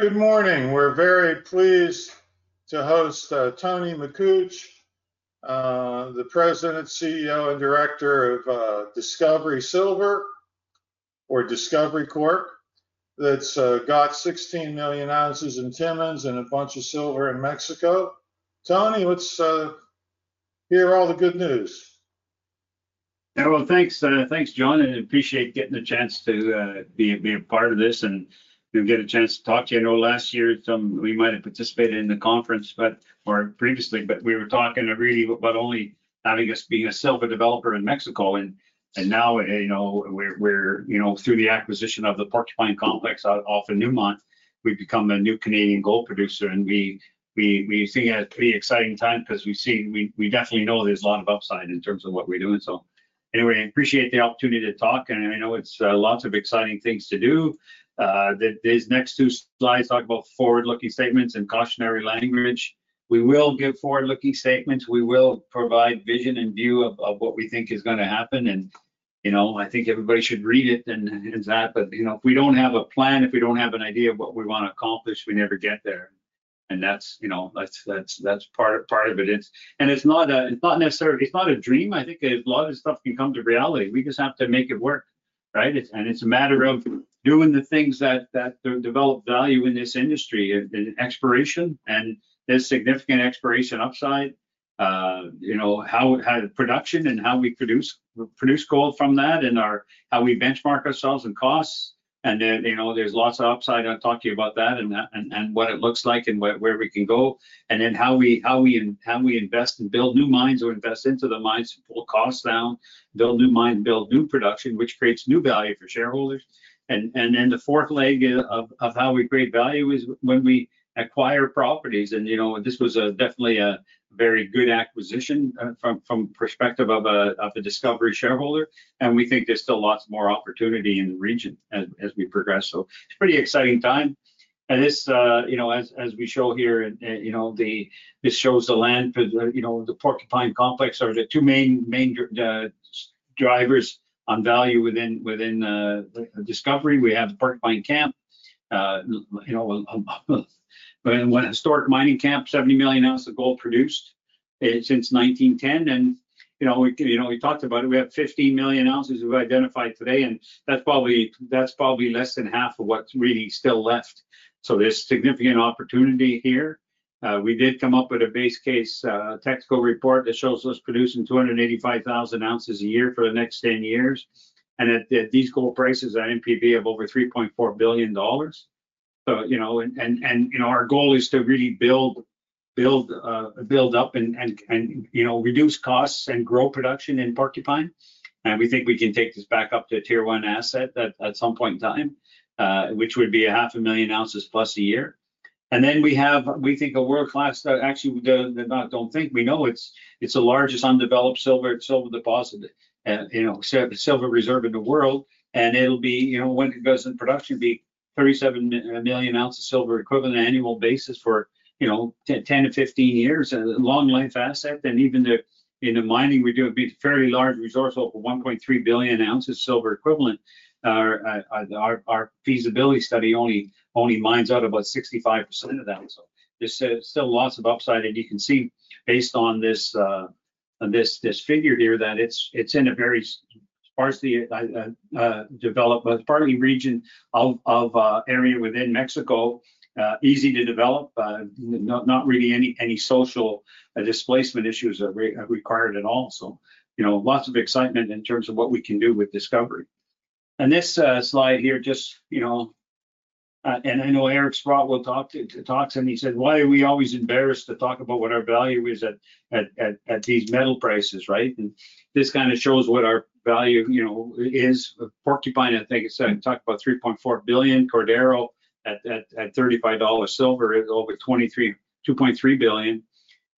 Good morning. We're very pleased to host Tony Makuch, the President, CEO, and Director of Discovery Silver. That's got 16 million ounces in Timmins and a bunch of silver in Mexico. Tony, let's hear all the good news. Yeah, thanks, John, and appreciate getting the chance to be a part of this and get a chance to talk to you. I know last year we might have participated in the conference previously, but we were talking really about only having us being a silver developer in Mexico. Now, you know, through the acquisition of the Porcupine Complex off of Newmont, we've become a new Canadian gold producer. We think it's a pretty exciting time because we see, we definitely know there's a lot of upside in terms of what we're doing. Anyway, I appreciate the opportunity to talk, and I know it's lots of exciting things to do. These next two slides talk about forward-looking statements and cautionary language. We will give forward-looking statements. We will provide vision and view of what we think is going to happen. You know, I think everybody should read it and that, but, you know, if we do not have a plan, if we do not have an idea of what we want to accomplish, we never get there. That is, you know, that is part of it. It is not necessarily, it is not a dream. I think a lot of this stuff can come to reality. We just have to make it work, right? It is a matter of doing the things that develop value in this industry and exploration. There is significant exploration upside, you know, how production and how we produce gold from that and how we benchmark ourselves and costs. Then, you know, there is lots of upside on talking about that and what it looks like and where we can go. How we invest and build new mines or invest into the mines to pull costs down, build new mines, build new production, which creates new value for shareholders. The fourth leg of how we create value is when we acquire properties. This was definitely a very good acquisition from the perspective of a Discovery shareholder. We think there is still lots more opportunity in the region as we progress. It is a pretty exciting time. As we show here, this shows the land, the Porcupine Complex are the two main drivers on value within Discovery. We have the Porcupine camp, a historic mining camp, 70 million ounces of gold produced since 1910. We talked about it. We have 15 million ounces we've identified today, and that's probably less than half of what's really still left. There is significant opportunity here. We did come up with a base case technical report that shows us producing 285,000 ounces a year for the next 10 years. At these gold prices, that NPV of over $3.4 billion. You know, our goal is to really build up and, you know, reduce costs and grow production in Porcupine. We think we can take this back up to a tier one asset at some point in time, which would be 500,000+ ounces a year. We have, we think a world-class, actually, we do not think, we know it is the largest undeveloped silver deposit, you know, silver reserve in the world. It'll be, you know, when it goes in production, be 37 million ounces of silver equivalent on annual basis for, you know, 10 to 15 years, a long-life asset. Even in the mining we do, it'd be a fairly large resource over 1.3 billion ounces of silver equivalent. Our feasibility study only mines out about 65% of that. There's still lots of upside. You can see based on this figure here that it's in a very sparsely developed, but partly region of area within Mexico, easy to develop, not really any social displacement issues required at all. You know, lots of excitement in terms of what we can do with Discovery. This slide here just, you know, and I know Eric Sprott will talk to talk to him. He said, "Why are we always embarrassed to talk about what our value is at these metal prices, right?" This kind of shows what our value, you know, is Porcupine, I think it said, talked about $3.4 billion. Cordero at $35 silver is over $2.3 billion.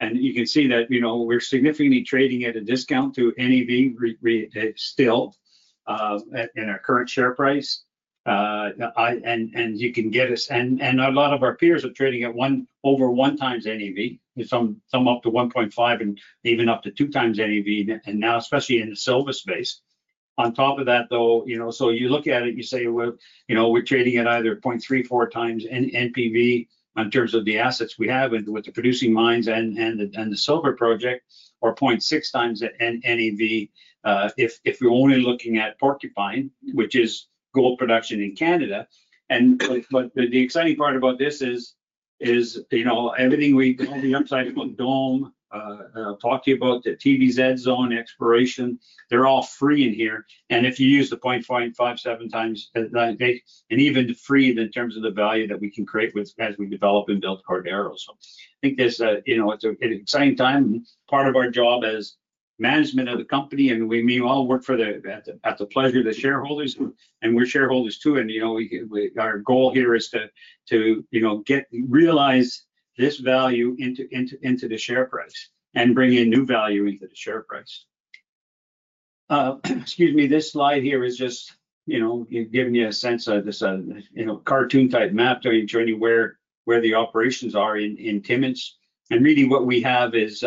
You can see that, you know, we are significantly trading at a discount to NPV still in our current share price. You can get us, and a lot of our peers are trading at one over 1x NPV, some up to 1.5x and even up to 2x NPV, now especially in the silver space. On top of that, though, you know, you look at it, you say, you know, we're trading at either 0.34x NPV in terms of the assets we have with the producing mines and the silver project, or 0.6x NEV if we're only looking at Porcupine, which is gold production in Canada. The exciting part about this is, you know, everything we do, the upside from Dome, talk to you about the TVZ Zone exploration, they're all free in here. If you use the 0.57x, and even free in terms of the value that we can create as we develop and build Cordero. I think there's, you know, it's an exciting time. Part of our job as management of the company, and we all work for the pleasure of the shareholders, and we're shareholders too. You know, our goal here is to, you know, realize this value into the share price and bring in new value into the share price. Excuse me, this slide here is just, you know, giving you a sense of this, you know, cartoon-type map to show you where the operations are in Timmins. Really what we have is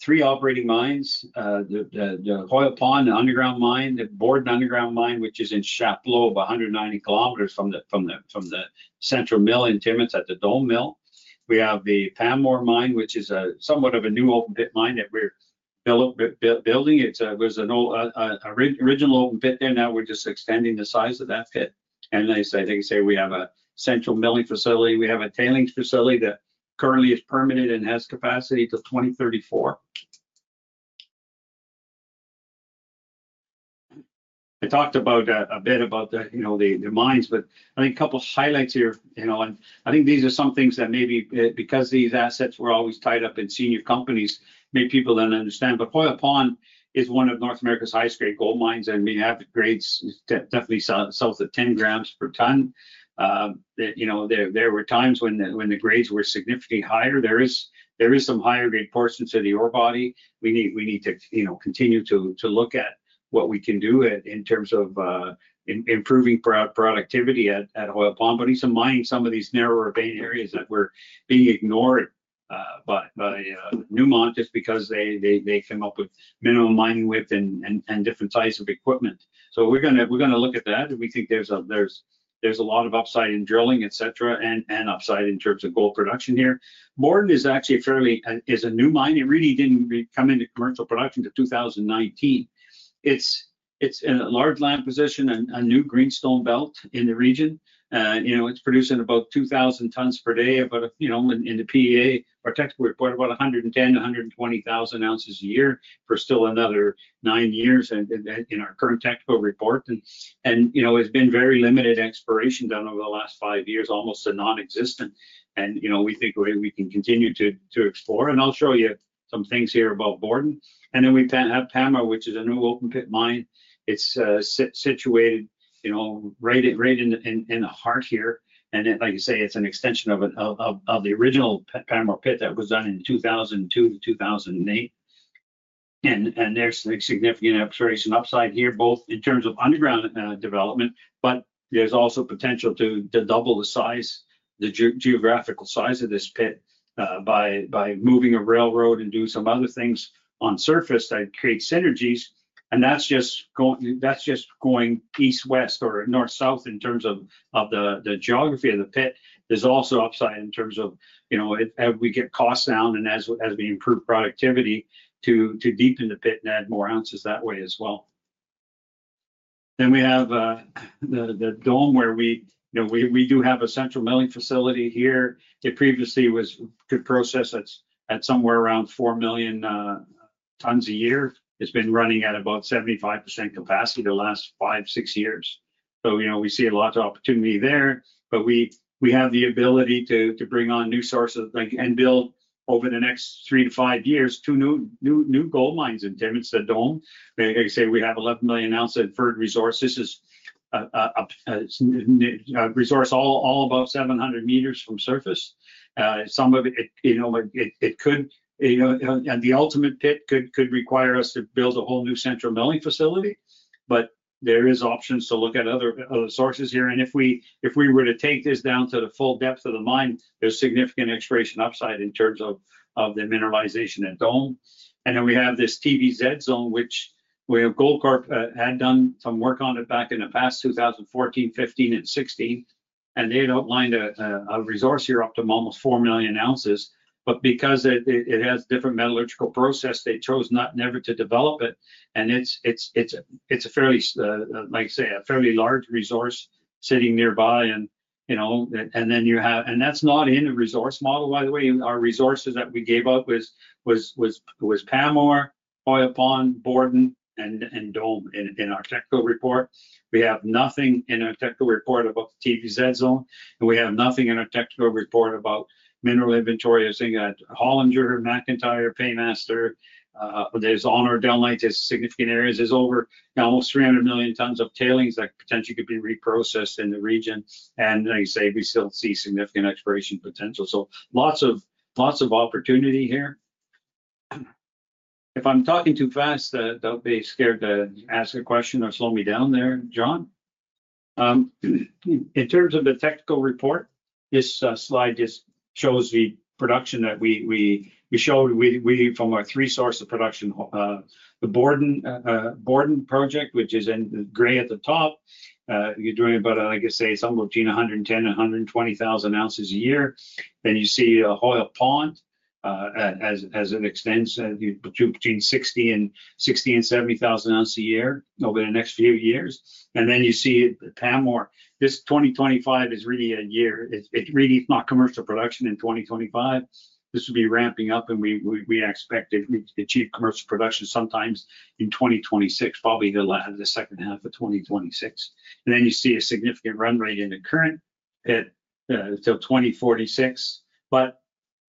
three operating mines: the Hoyle Pond, the underground mine, the Borden underground mine, which is in Chapleau, 190 km from the central mill in Timmins at the Dome mill. We have the Pamour mine, which is somewhat of a new open pit mine that we're building. It was an original open pit there. Now we're just extending the size of that pit. They say we have a central milling facility. We have a tailings facility that currently is permanent and has capacity to 2034. I talked about a bit about the, you know, the mines, but I think a couple of highlights here, you know, and I think these are some things that maybe because these assets were always tied up in senior companies, maybe people do not understand. Hoyle Pond is one of North America's highest-grade gold mines, and we have grades definitely south of 10 grams per ton. You know, there were times when the grades were significantly higher. There is some higher-grade portions of the ore body. We need to, you know, continue to look at what we can do in terms of improving productivity at Hoyle Pond. In some mining, some of these narrower bay areas that were being ignored by Newmont just because they came up with minimal mining width and different sizes of equipment. We are going to look at that. We think there's a lot of upside in drilling, etc., and upside in terms of gold production here. Borden is actually a fairly, is a new mine. It really didn't come into commercial production until 2019. It's a large land position and a new greenstone belt in the region. You know, it's producing about 2,000 tons per day. You know, in the PEA, our technical report, about 110,000-120,000 ounces a year for still another nine years in our current technical report. You know, it's been very limited exploration done over the last five years, almost non-existent. You know, we think we can continue to explore. I'll show you some things here about Borden. Then we have Pamour, which is a new open pit mine. It's situated, you know, right in the heart here. Like I say, it's an extension of the original Pamour pit that was done in 2002 to 2008. There is significant exploration upside here, both in terms of underground development, but there is also potential to double the size, the geographical size of this pit by moving a railroad and doing some other things on the surface that create synergies. That is just going east-west or north-south in terms of the geography of the pit. There is also upside in terms of, you know, as we get costs down and as we improve productivity to deepen the pit and add more ounces that way as well. We have the Dome where we, you know, we do have a central milling facility here. It previously could process at somewhere around 4 million tons a year. It has been running at about 75% capacity the last five, six years. You know, we see a lot of opportunity there, but we have the ability to bring on new sources and build over the next three to five years two new gold mines in Timmins, the Dome. Like I say, we have 11 million ounces of inferred resource. This is a resource all above 700 meters from surface. Some of it, you know, it could, you know, and the ultimate pit could require us to build a whole new central milling facility. There are options to look at other sources here. If we were to take this down to the full depth of the mine, there is significant exploration upside in terms of the mineralization at Dome. We have this TVZ Zone, which Goldcorp had done some work on back in the past, 2014, 2015, and 2016. They had outlined a resource here up to almost 4 million ounces. Because it has different metallurgical process, they chose never to develop it. It is a fairly, like I say, a fairly large resource sitting nearby. You know, and then you have, and that is not in the resource model, by the way. Our resources that we gave up was Pamour, Hoyle Pond, Borden, and Dome in our technical report. We have nothing in our technical report about the TVZ Zone. We have nothing in our technical report about mineral inventory. I was thinking that Hollander, McIntyre, Paymaster, there is on our Delloite, there is significant areas. There is over almost 300 million tons of tailings that potentially could be reprocessed in the region. Like I say, we still see significant exploration potential. Lots of opportunity here. If I'm talking too fast, don't be scared to ask a question or slow me down there, John. In terms of the technical report, this slide just shows the production that we showed from our three sources of production. The Borden project, which is in gray at the top, you're doing about, like I say, somewhere between 110,000 and 120,000 ounces a year. You see Hoyle Pond as it extends between 60,000 and 70,000 ounces a year over the next few years. You see Pamour. This 2025 is really a year. It really is not commercial production in 2025. This will be ramping up, and we expect to achieve commercial production sometime in 2026, probably the second half of 2026. You see a significant run rate in the current pit until 2046.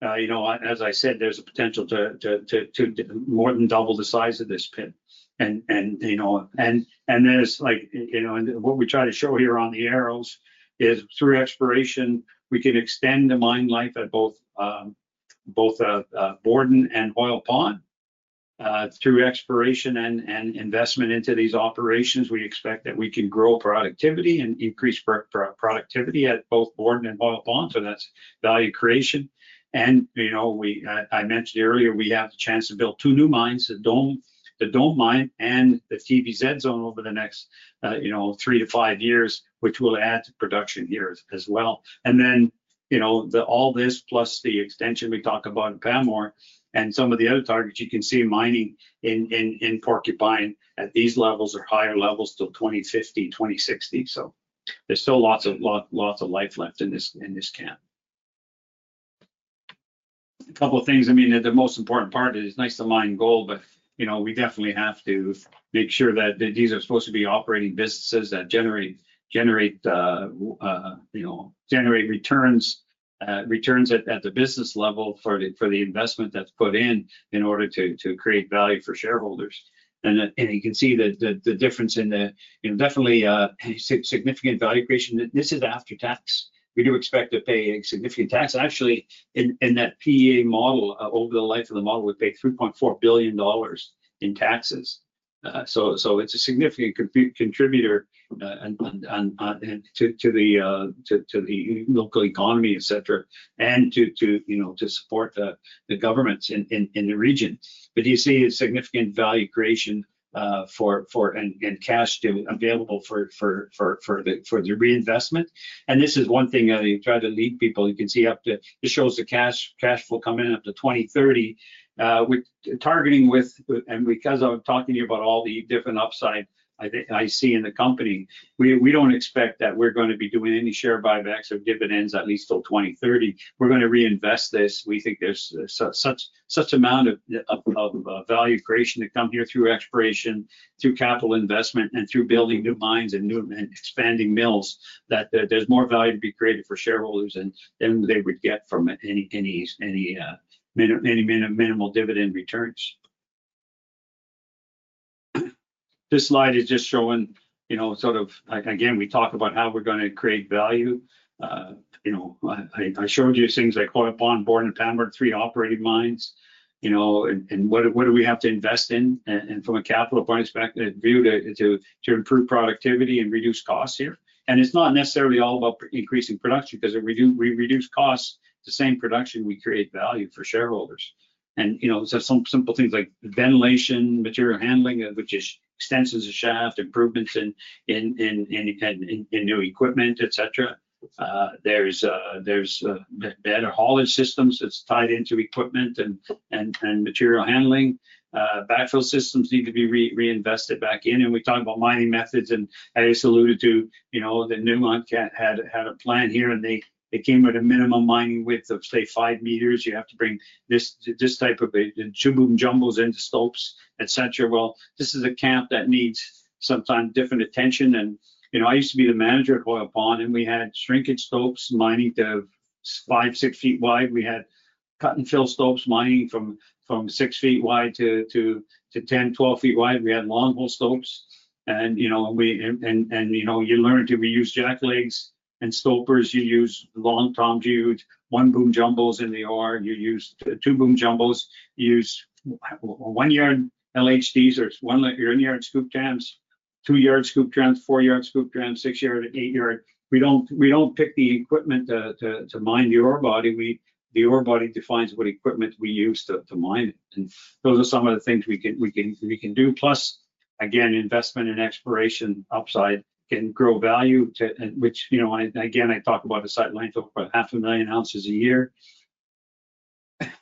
You know, as I said, there's a potential to more than double the size of this pit. You know, what we try to show here on the arrows is through exploration, we can extend the mine life at both Borden and Hoyle Pond. Through exploration and investment into these operations, we expect that we can grow productivity and increase productivity at both Borden and Hoyle Pond. That's value creation. You know, I mentioned earlier, we have the chance to build two new mines, the Dome mine and the TVZ Zone over the next three to five years, which will add to production here as well. You know, all this plus the extension we talk about in Pamour and some of the other targets, you can see mining in Porcupine at these levels or higher levels till 2050, 2060. There is still lots of life left in this camp. A couple of things. I mean, the most important part is nice to mine gold, but, you know, we definitely have to make sure that these are supposed to be operating businesses that generate, you know, generate returns at the business level for the investment that's put in in order to create value for shareholders. You can see the difference in the, you know, definitely significant value creation. This is after tax. We do expect to pay a significant tax. Actually, in that PEA model, over the life of the model, we pay $3.4 billion in taxes. It's a significant contributor to the local economy, etc., and to, you know, to support the governments in the region. You see a significant value creation for and cash available for the reinvestment. This is one thing that you try to lead people. You can see up to, it shows the cash flow coming in up to 2030. We're targeting with, and because I'm talking to you about all the different upside I see in the company, we don't expect that we're going to be doing any share buybacks or dividends at least till 2030. We're going to reinvest this. We think there's such amount of value creation to come here through exploration, through capital investment, and through building new mines and expanding mills that there's more value to be created for shareholders than they would get from any minimal dividend returns. This slide is just showing, you know, sort of, again, we talk about how we're going to create value. You know, I showed you things like Hoyle Pond, Borden, and Pamour, three operating mines, you know, and what do we have to invest in from a capital point of view to improve productivity and reduce costs here. It's not necessarily all about increasing production because if we reduce costs at the same production, we create value for shareholders. You know, some simple things like ventilation, material handling, which extends as a shaft, improvements in new equipment, etc. There are better haulage systems that's tied into equipment and material handling. Backfill systems need to be reinvested back in. We talk about mining methods, and I just alluded to, you know, Newmont had a plan here, and they came with a minimum mining width of, say, five meters. You have to bring this type of two-boom jumbos into slopes, etc. This is a camp that needs sometimes different attention. You know, I used to be the manager at Hoyle Pond, and we had shrinkage slopes mining to five, six feet wide. We had cut-and-fill slopes mining from six feet wide to 10-12 feet wide. We had long hole slopes. You know, you learned to use jack legs and stopers. You use long toms, you use one-boom jumbos in the yard. You use two-boom jumbos. You use one-yard LHDs or one-yard scoop trams, two-yard scoop trams, four-yard scoop trams, six-yard, eight-yard. We do not pick the equipment to mine the ore body. The ore body defines what equipment we use to mine it. Those are some of the things we can do. Plus, again, investment and exploration upside can grow value, which, you know, again, I talk about a site length of about 500,000 ounces a year.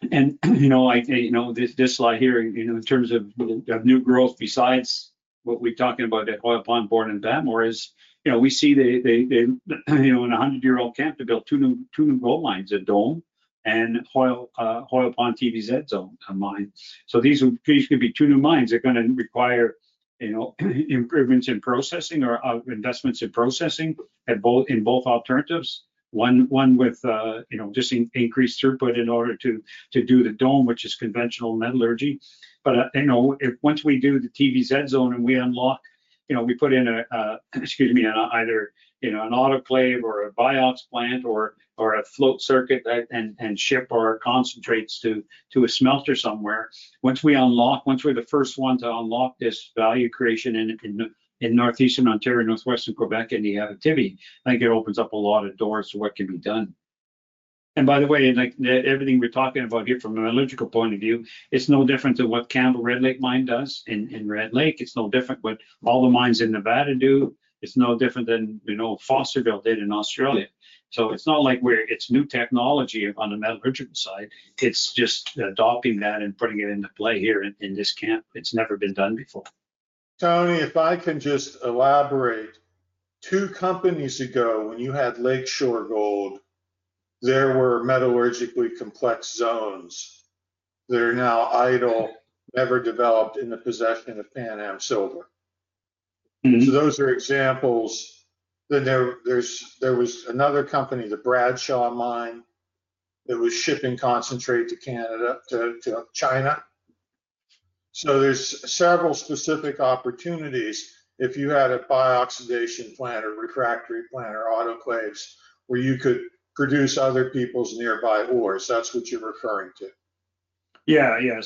You know, this slide here, you know, in terms of new growth besides what we're talking about at Hoyle Pond, Borden, and Pamour is, you know, we see the, you know, in a 100-year-old camp to build two new gold mines at Dome and Hoyle Pond TVZ zone mine. These could be two new mines. They're going to require, you know, improvements in processing or investments in processing in both alternatives. One with, you know, just increased throughput in order to do the Dome, which is conventional metallurgy. You know, once we do the TVZ Zone and we unlock, you know, we put in a, excuse me, either, you know, an autoclave or a BIOX plant or a float circuit and ship our concentrates to a smelter somewhere. Once we unlock, once we're the first one to unlock this value creation in northeastern Ontario, northwestern Quebec, and the activity, I think it opens up a lot of doors to what can be done. By the way, like everything we're talking about here from a metallurgical point of view, it's no different than what Campbell, Red Lake Mine does. In Red Lake, it's no different what all the mines in Nevada do. It's no different than, you know, Fosterville did in Australia. It's not like where it's new technology on the metallurgical side. It's just adopting that and putting it into play here in this camp. It's never been done before. Tony, if I can just elaborate, two companies ago, when you had Lakeshore Gold, there were metallurgically complex zones that are now idle, never developed in the possession of Pan American Silver. Those are examples. There was another company, the Bradshaw Mine, that was shipping concentrate to China. There are several specific opportunities if you had a bi-oxidation plant or refractory plant or autoclaves where you could process other people's nearby ores. That's what you're referring to. Yeah, yeah.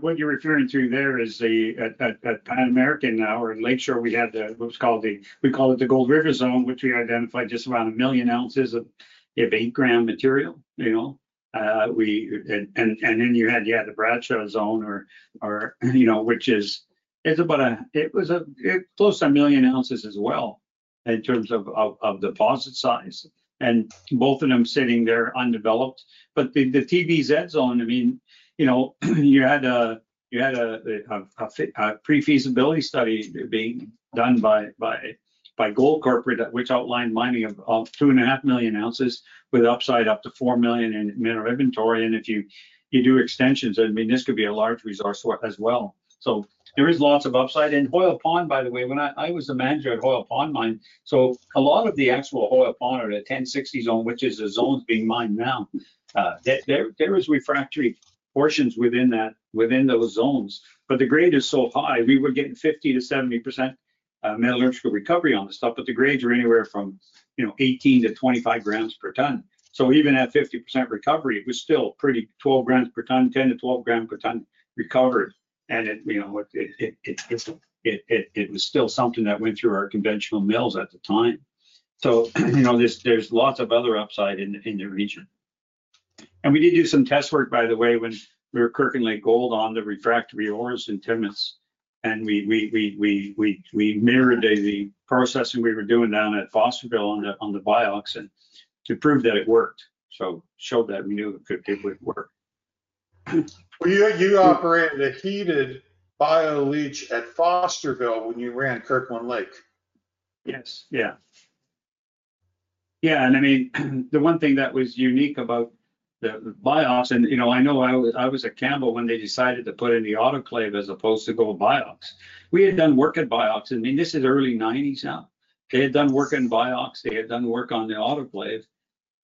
What you're referring to there is at Pan American now or Lakeshore, we had what's called the, we call it the Gold River Zone, which we identified just around 1 million ounces of 8-gram material. Then you had the Bradshaw Zone, or, you know, which is, it is about a, it was close to a million ounces as well in terms of deposit size. Both of them sitting there undeveloped. The TVZ Zone, I mean, you know, you had a pre-feasibility study being done by Goldcorp, which outlined mining of 2.5 million ounces with upside up to 4 million in mineral inventory. If you do extensions, I mean, this could be a large resource as well. There is lots of upside. Hoyle Pond, by the way, when I was the manager at Hoyle Pond Mine, a lot of the actual Hoyle Pond or the 1060 zone, which is the zones being mined now, there are refractory portions within those zones. But the grade is so high, we were getting 50%-70% metallurgical recovery on this stuff, but the grades were anywhere from, you know, 18 grams-25 grams per ton. Even at 50% recovery, it was still pretty 12 grams per ton, 10 grams-12 grams per ton recovered. It, you know, it was still something that went through our conventional mills at the time. You know, there is lots of other upside in the region. We did do some test work, by the way, when we were Kirkland Lake Gold on the refractory ores in Timmins. We mirrored the processing we were doing down at Fosterville on the BIOX to prove that it worked. Showed that we knew it could work. You operated a heated bioleach at Fosterville when you ran Kirkland Lake. Yes, yeah. Yeah. I mean, the one thing that was unique about the BIOX in, you know, I know I was at Campbell when they decided to put in the autoclave as opposed to gold BIOX. We had done work at BIOX. I mean, this is early 1990s now. They had done work in BIOX. They had done work on the autoclave.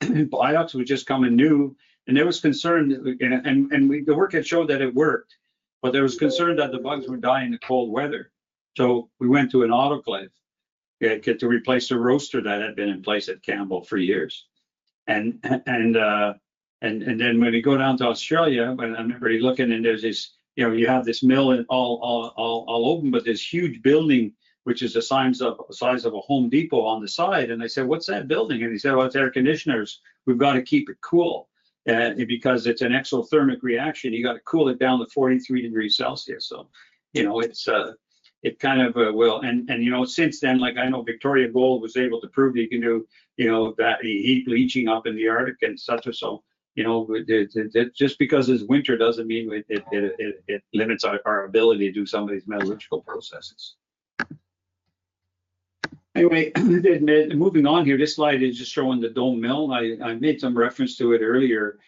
BIOX was just coming new. There was concern that the work had showed that it worked. There was concern that the bugs were dying in the cold weather. We went to an autoclave to replace the roaster that had been in place at Campbell for years. When we go down to Australia, when I'm already looking and there's this, you know, you have this mill all open, but there's a huge building, which is the size of a Home Depot on the side. I said, "What's that building?" He said, "Oh, it's air conditioners. We've got to keep it cool." Because it's an exothermic reaction, you have to cool it down to 43 degrees Celsius. You know, it's kind of, well, and, you know, since then, like I know Victoria Gold was able to prove that you can do, you know, that heat leaching up in the Arctic and such or so, you know, just because it's winter does not mean it limits our ability to do some of these metallurgical processes. Anyway, moving on here, this slide is just showing the Dome mill. I made some reference to it earlier.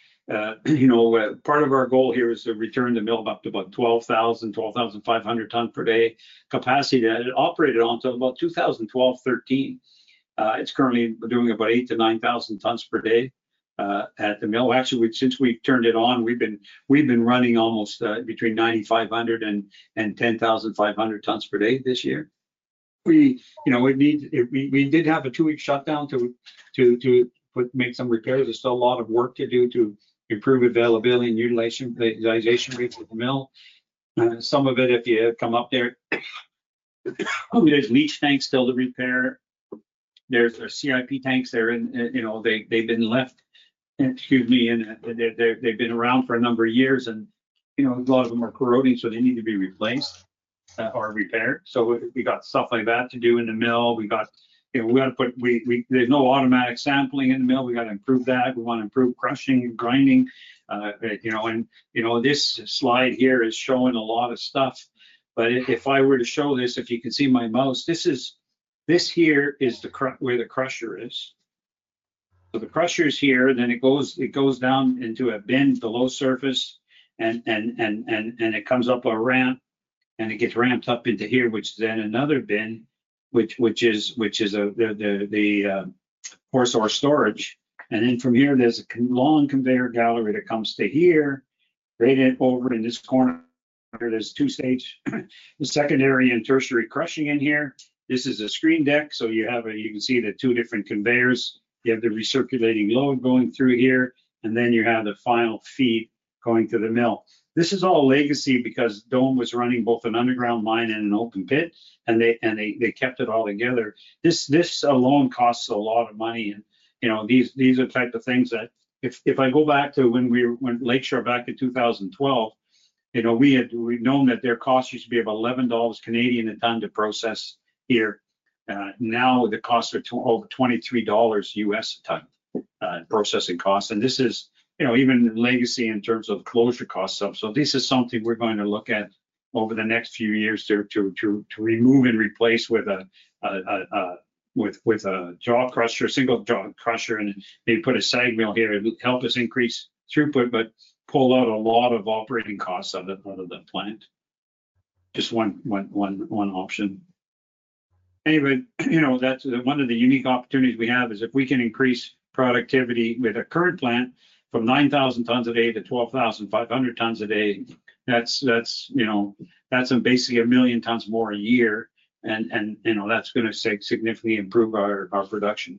You know, part of our goal here is to return the mill up to about 12,000-12,500 ton per day capacity that it operated on until about 2012, 2013. It's currently doing about eight to nine thousand tons per day at the mill. Actually, since we've turned it on, we've been running almost between 9,500 and 10,500 tons per day this year. You know, we did have a two-week shutdown to make some repairs. There's still a lot of work to do to improve availability and utilization rates of the mill. Some of it, if you come up there, there's leach tanks still to repair. There's CIP tanks there. You know, they've been left, excuse me, and they've been around for a number of years. You know, a lot of them are corroding, so they need to be replaced or repaired. We got stuff like that to do in the mill. You know, we got to put, there's no automatic sampling in the mill. We got to improve that. We want to improve crushing and grinding. You know, and, you know, this slide here is showing a lot of stuff. If I were to show this, if you can see my mouse, this is, this here is where the crusher is. The crusher is here, and then it goes down into a bin, the low surface, and it comes up a ramp, and it gets ramped up into here, which is then another bin, which is the coarse ore storage. From here, there is a long conveyor gallery that comes to here. Right over in this corner, there are two stages, the secondary and tertiary crushing in here. This is a screen deck. You can see the two different conveyors. You have the recirculating load going through here, and then you have the final feed going to the mill. This is all legacy because Dome was running both an underground mine and an open pit, and they kept it all together. This alone costs a lot of money. You know, these are the type of things that if I go back to when Lakeshore back in 2012, you know, we had known that their cost used to be about 11 Canadian dollars a ton to process here. Now the costs are over $23 a ton processing costs. This is, you know, even legacy in terms of closure costs. This is something we're going to look at over the next few years to remove and replace with a jaw crusher, single jaw crusher, and maybe put a side mill here to help us increase throughput, but pull out a lot of operating costs out of the plant. Just one option. Anyway, you know, that's one of the unique opportunities we have is if we can increase productivity with a current plant from 9,000 tons a day to 12,500 tons a day, that's, you know, that's basically a million tons more a year. You know, that's going to significantly improve our production.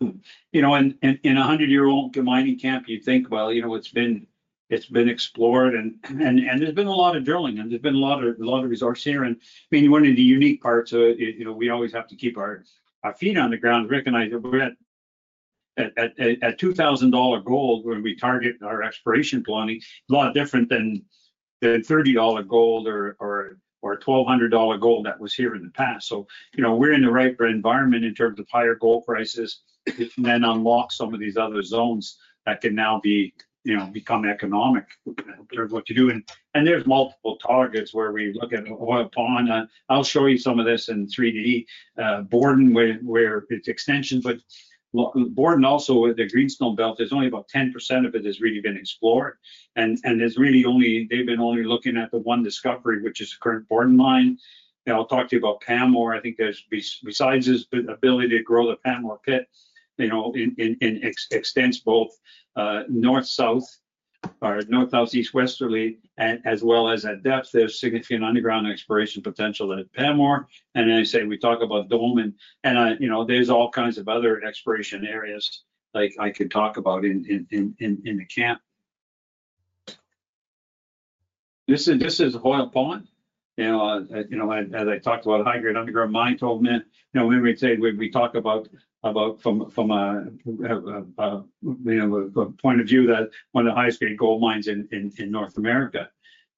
You know, in a 100-year-old mining camp, you think, you know, it's been explored, and there's been a lot of drilling, and there's been a lot of resource here. I mean, one of the unique parts, you know, we always have to keep our feet on the ground, recognize that we're at $2,000 gold when we target our exploration program, a lot different than $30 gold or $1,200 gold that was here in the past. You know, we're in the right environment in terms of higher gold prices, and then unlock some of these other zones that can now be, you know, become economic in terms of what you're doing. There's multiple targets where we look at Hoyle Pond. I'll show you some of this in 3D, Borden, where it's extension. Borden also, with the Greenstone Belt, there's only about 10% of it that has really been explored. There's really only, they've been only looking at the one discovery, which is the current Borden mine. I'll talk to you about Pamour. I think there's, besides this ability to grow the Pamour pit, you know, it extends both north-south or north-south-east-westerly, as well as at depth, there's significant underground exploration potential at Pamour. I say we talk about Dome, and, you know, there's all kinds of other exploration areas like I could talk about in the camp. This is Hoyle Pond. You know, as I talked about, high-grade underground mine too, you know, we talk about from a point of view that one of the highest-grade gold mines in North America,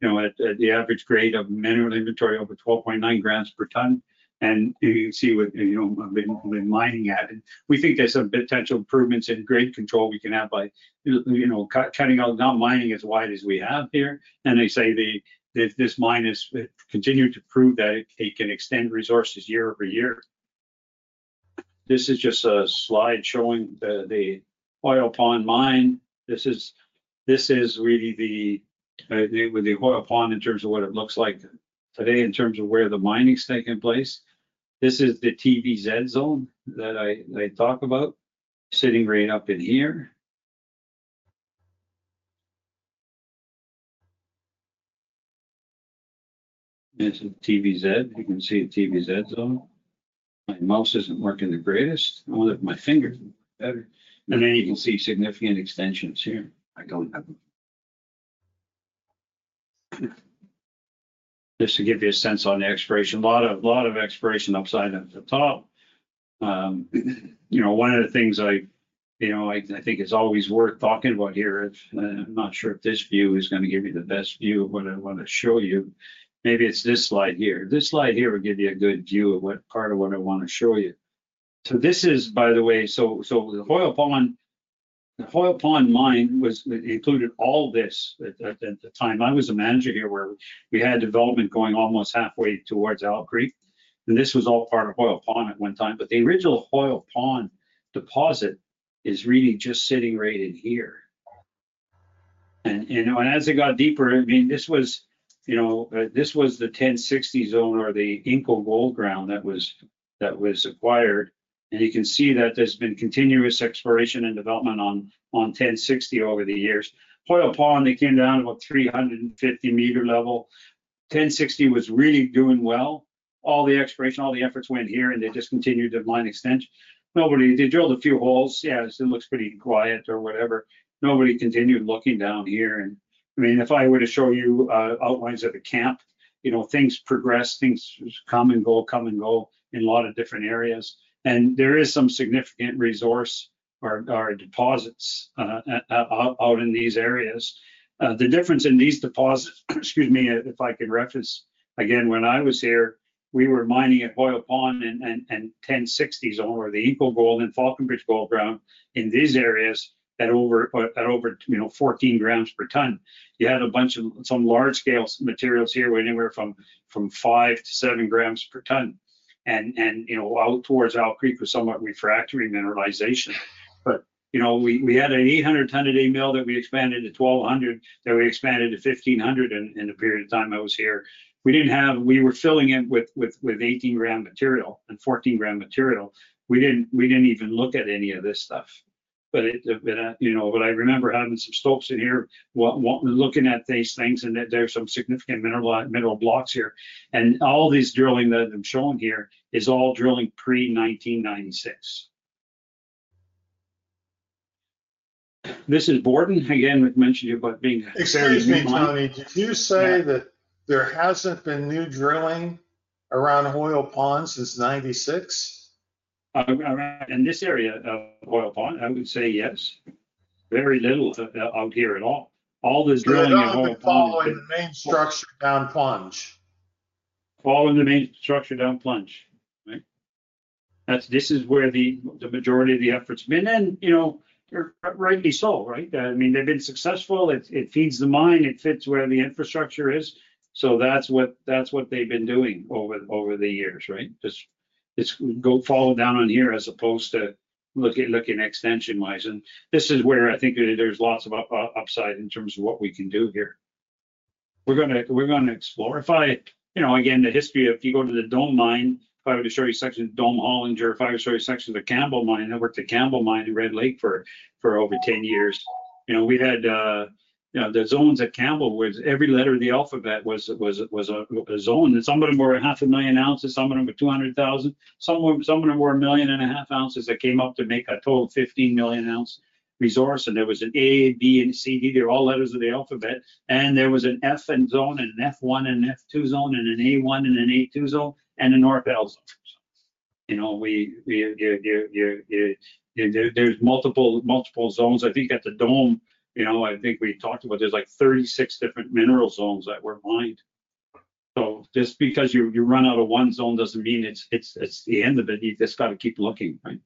you know, at the average grade of mineral inventory over 12.9 grams per ton. And you can see what they're mining at. And we think there's some potential improvements in grade control we can have by, you know, cutting out not mining as wide as we have here. They say this mine has continued to prove that it can extend resources year over year. This is just a slide showing the Hoyle Pond mine. This is really the Hoyle Pond in terms of what it looks like today in terms of where the mining's taking place. This is the TVZ zone that I talk about, sitting right up in here. This is TVZ. You can see the TVZ zone. My mouse isn't working the greatest. I wonder if my fingers are better. You can see significant extensions here. I don't have them. Just to give you a sense on the exploration, a lot of exploration upside at the top. You know, one of the things I, you know, I think is always worth talking about here. I'm not sure if this view is going to give you the best view of what I want to show you. Maybe it's this slide here. This slide here will give you a good view of what part of what I want to show you. This is, by the way, the Hoyle Pond mine included all this at the time. I was a manager here where we had development going almost halfway towards Out Creek. This was all part of Hoyle Pond at one time. The original Hoyle Pond deposit is really just sitting right in here. As it got deeper, I mean, this was, you know, this was the 1060 zone or the Inco Gold Ground that was acquired. You can see that there has been continuous exploration and development on 1060 over the years. Hoyle Pond, they came down to about 350 meter level. 1060 was really doing well. All the exploration, all the efforts went here, and they just continued to mine extension. They drilled a few holes. Yeah, it looks pretty quiet or whatever. Nobody continued looking down here. I mean, if I were to show you outlines of the camp, you know, things progress, things come and go, come and go in a lot of different areas. There is some significant resource or deposits out in these areas. The difference in these deposits, excuse me, if I can reference, again, when I was here, we were mining at Hoyle Pond and 1060 zone or the Inco Gold and Falconbridge Gold Ground in these areas at over, you know, 14 grams per ton. You had a bunch of some large-scale materials here were anywhere from 5 grams-7 grams per ton. You know, out towards Out Creek was somewhat refractory mineralization. You know, we had an 800-ton a day mill that we expanded to 1,200, that we expanded to 1,500 in the period of time I was here. We did not have, we were filling it with 18 gram material and 14 gram material. We did not even look at any of this stuff. You know, I remember having some stokes in here looking at these things and that there are some significant mineral blocks here. All this drilling that I am showing here is all drilling pre-1996. This is Borden. Again, we have mentioned you about being a serious miner. Hey, Tony, did you say that there has not been new drilling around Hoyle Pond since 1996? In this area of Hoyle Pond, I would say yes. Very little out here at all. All this drilling at Hoyle Pond. Following the main structure down plunge. Following the main structure down plunge. Right. This is where the majority of the efforts have been. You know, rightly so, right? I mean, they have been successful. It feeds the mine. It fits where the infrastructure is. That is what they have been doing over the years, right? Just follow down on here as opposed to looking extension-wise. This is where I think there is lots of upside in terms of what we can do here. We are going to explore. If I, you know, again, the history of, if you go to the Dome mine, if I were to show you sections of Dome Hollinger, if I were to show you sections of Campbell mine, I worked at Campbell mine in Red Lake for over 10 years. You know, we had, you know, the zones at Campbell was every letter of the alphabet was a zone. Some of them were 500,000 ounces, some of them were 200,000. Some of them were 1,500,000 ounces that came up to make a total of 15 million ounce resource. There was an A, B, and C, D, they're all letters of the alphabet. There was an F and zone, and an F1 and an F2 zone, and an A1 and an A2 zone, and a North L zone. You know, there's multiple zones. I think at the Dome, you know, I think we talked about there's like 36 different mineral zones that were mined. Just because you run out of one zone doesn't mean it's the end of it. You just got to keep looking, right?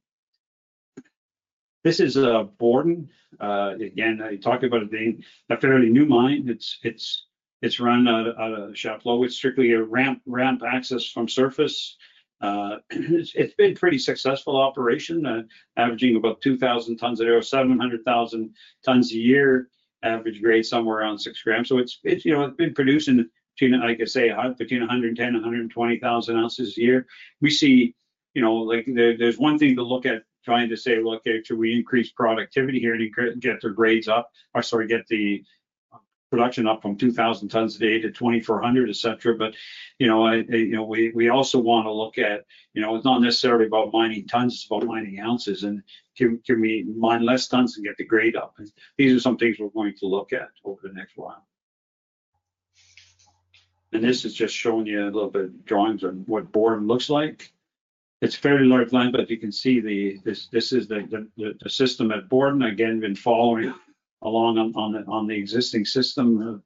This is Borden. Again, I talked about a fairly new mine. It's run out of Chapleau. It's strictly a ramp access from surface. It's been a pretty successful operation, averaging about 2,000 tons a day or 700,000 tons a year, average grade somewhere around six grams. It's been producing between, like I say, between 110,000 and 120,000 ounces a year. We see, you know, like there's one thing to look at trying to say, look, should we increase productivity here and get the grades up, or sorry, get the production up from 2,000 tons a day to 2,400, etc. You know, we also want to look at, you know, it's not necessarily about mining tons, it's about mining ounces. Can we mine less tons and get the grade up? These are some things we're going to look at over the next while. This is just showing you a little bit of drawings on what Borden looks like. It's fairly large land, but you can see this is the system at Borden. Again, been following along on the existing system.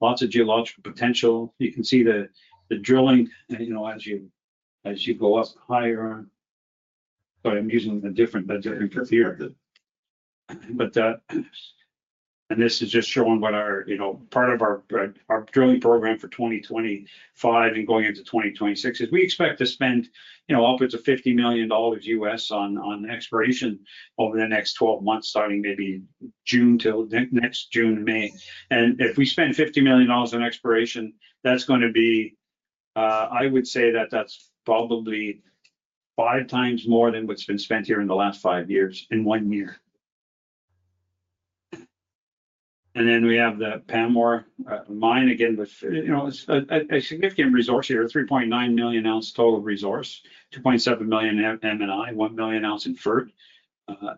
Lots of geological potential. You can see the drilling, you know, as you go up higher. Sorry, I'm using a different computer. This is just showing what our, you know, part of our drilling program for 2025 and going into 2026 is. We expect to spend, you know, upwards of $50 million U.S. on exploration over the next 12 months, starting maybe June till next June, May. If we spend $50 million on exploration, that's going to be, I would say that that's probably five times more than what's been spent here in the last five years in one year. We have the Pamour mine, again, with, you know, a significant resource here, 3.9 million ounce total resource, 2.7 million MNI, 1 million ounce in fert,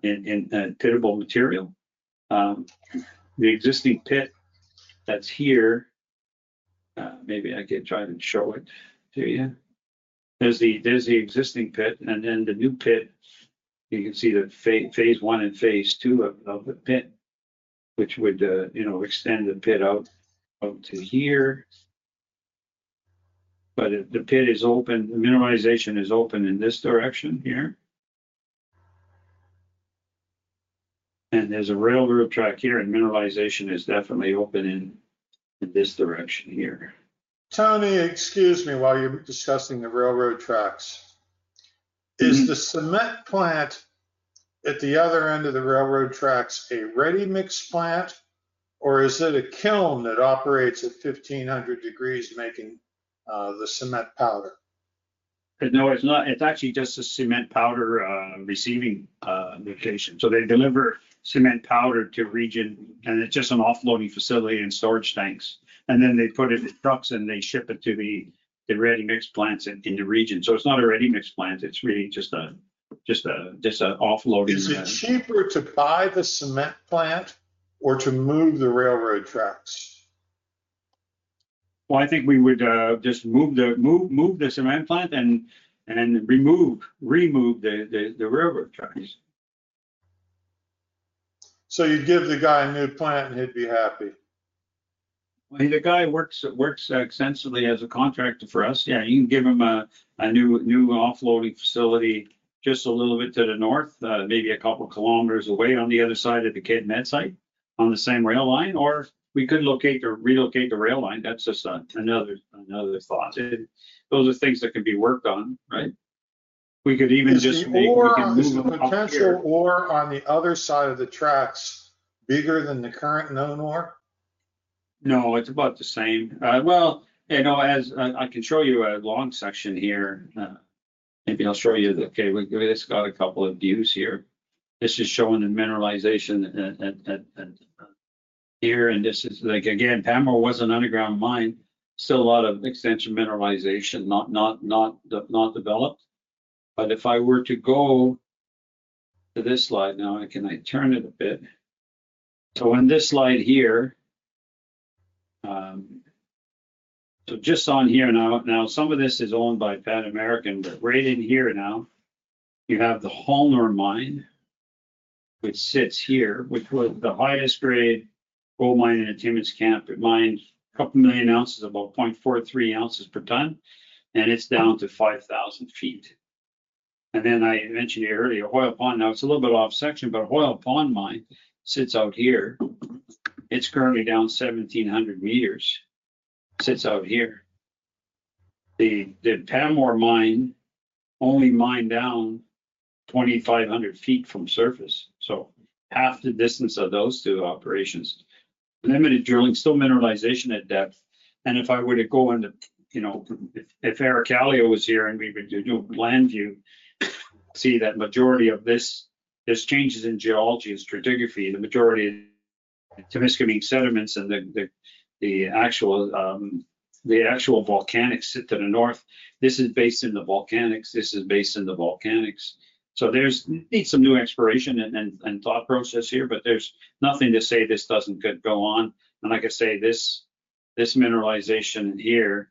in pittable material. The existing pit that's here, maybe I can try to show it to you. There's the existing pit. Then the new pit, you can see the phase one and phase two of the pit, which would, you know, extend the pit out to here. The pit is open, the mineralization is open in this direction here. There is a railroad track here, and mineralization is definitely open in this direction here. Tony, excuse me while you're discussing the railroad tracks. Is the cement plant at the other end of the railroad tracks a ready-mix plant, or is it a kiln that operates at 1,500 degrees making the cement powder? No, it's not. It's actually just a cement powder receiving location. They deliver cement powder to the region, and it's just an offloading facility and storage tanks. Then they put it in trucks, and they ship it to the ready-mix plants in the region. It's not a ready-mix plant. It's really just an offloading. Is it cheaper to buy the cement plant or to move the railroad tracks? I think we would just move the cement plant and remove the railroad tracks. You would give the guy a new plant, and he would be happy. The guy works extensively as a contractor for us. You can give him a new offloading facility just a little bit to the north, maybe a couple of kilometers away on the other side of the Kidd Met site on the same rail line. Or we could relocate the rail line. That is just another thought. Those are things that can be worked on, right? We could even just move the potential ore on the other side of the tracks. Is it bigger than the current known ore? No, it is about the same. You know, as I can show you a long section here, maybe I'll show you the, okay, we just got a couple of views here. This is showing the mineralization here. This is like, again, Pamour was an underground mine, still a lot of extension mineralization not developed. If I were to go to this slide now, can I turn it a bit? In this slide here, just on here now, now some of this is owned by Pan American, but right in here now, you have the Hollinger mine, which sits here, which was the highest-grade gold mine in Timmins Camp. It mined a couple of million ounces, about 0.43 ounces per ton, and it's down to 5,000 feet. I mentioned it earlier, Hoyle Pond. Now, it's a little bit off section, but Hoyle Pond mine sits out here. It's currently down 1,700 meters, sits out here. The Pamour mine only mined down 2,500 feet from surface, so half the distance of those two operations. Limited drilling, still mineralization at depth. If I were to go into, you know, if Eric Kallio was here and we were to do a land view, see that majority of this changes in geology and stratigraphy, the majority of the Temiskaming sediments and the actual volcanics sit to the north. This is based in the volcanics. This is based in the volcanics. There's need some new exploration and thought process here, but there's nothing to say this doesn't go on. Like I say, this mineralization here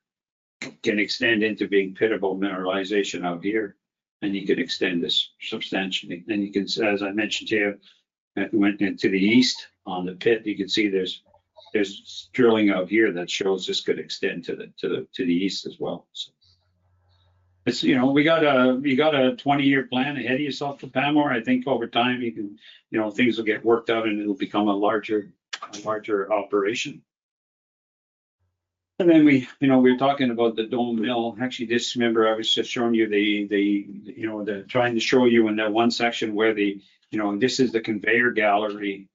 can extend into being pittable mineralization out here, and you could extend this substantially. You can, as I mentioned to you, went into the east on the pit. You can see there's drilling out here that shows this could extend to the east as well. You know, we got a 20-year plan ahead of yourself for Pamour. I think over time, you can, you know, things will get worked out, and it'll become a larger operation. We, you know, we're talking about the Dome mill. Actually, this member, I was just showing you the, you know, trying to show you in that one section where the, you know, this is the conveyor gallery.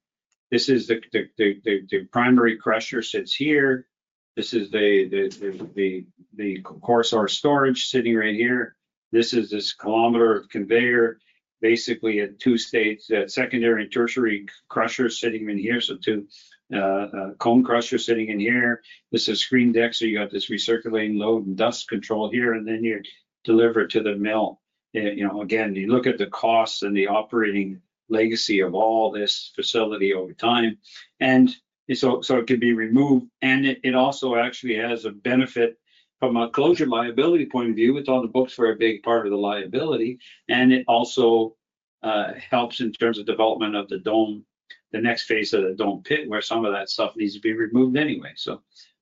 This is the primary crusher sits here. This is the coarse ore storage sitting right here. This is this kilometer of conveyor, basically at two states, a secondary and tertiary crusher sitting in here. Two-cone crushers sitting in here. This is screen deck. You got this recirculating load and dust control here, and then you deliver it to the mill. You know, again, you look at the costs and the operating legacy of all this facility over time. It could be removed. It also actually has a benefit from a closure liability point of view, with all the books for a big part of the liability. It also helps in terms of development of the Dome, the next phase of the Dome pit, where some of that stuff needs to be removed anyway.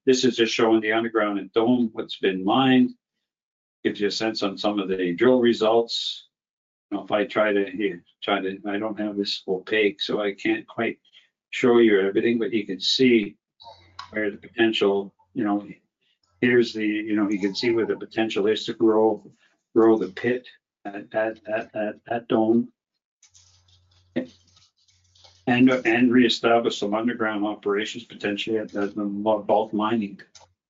This is just showing the underground at Dome, what's been mined. Gives you a sense on some of the drill results. If I try to, I don't have this opaque, so I can't quite show you everything, but you can see where the potential, you know, here's the, you know, you can see where the potential is to grow the pit at Dome. And reestablish some underground operations potentially at the bulk mining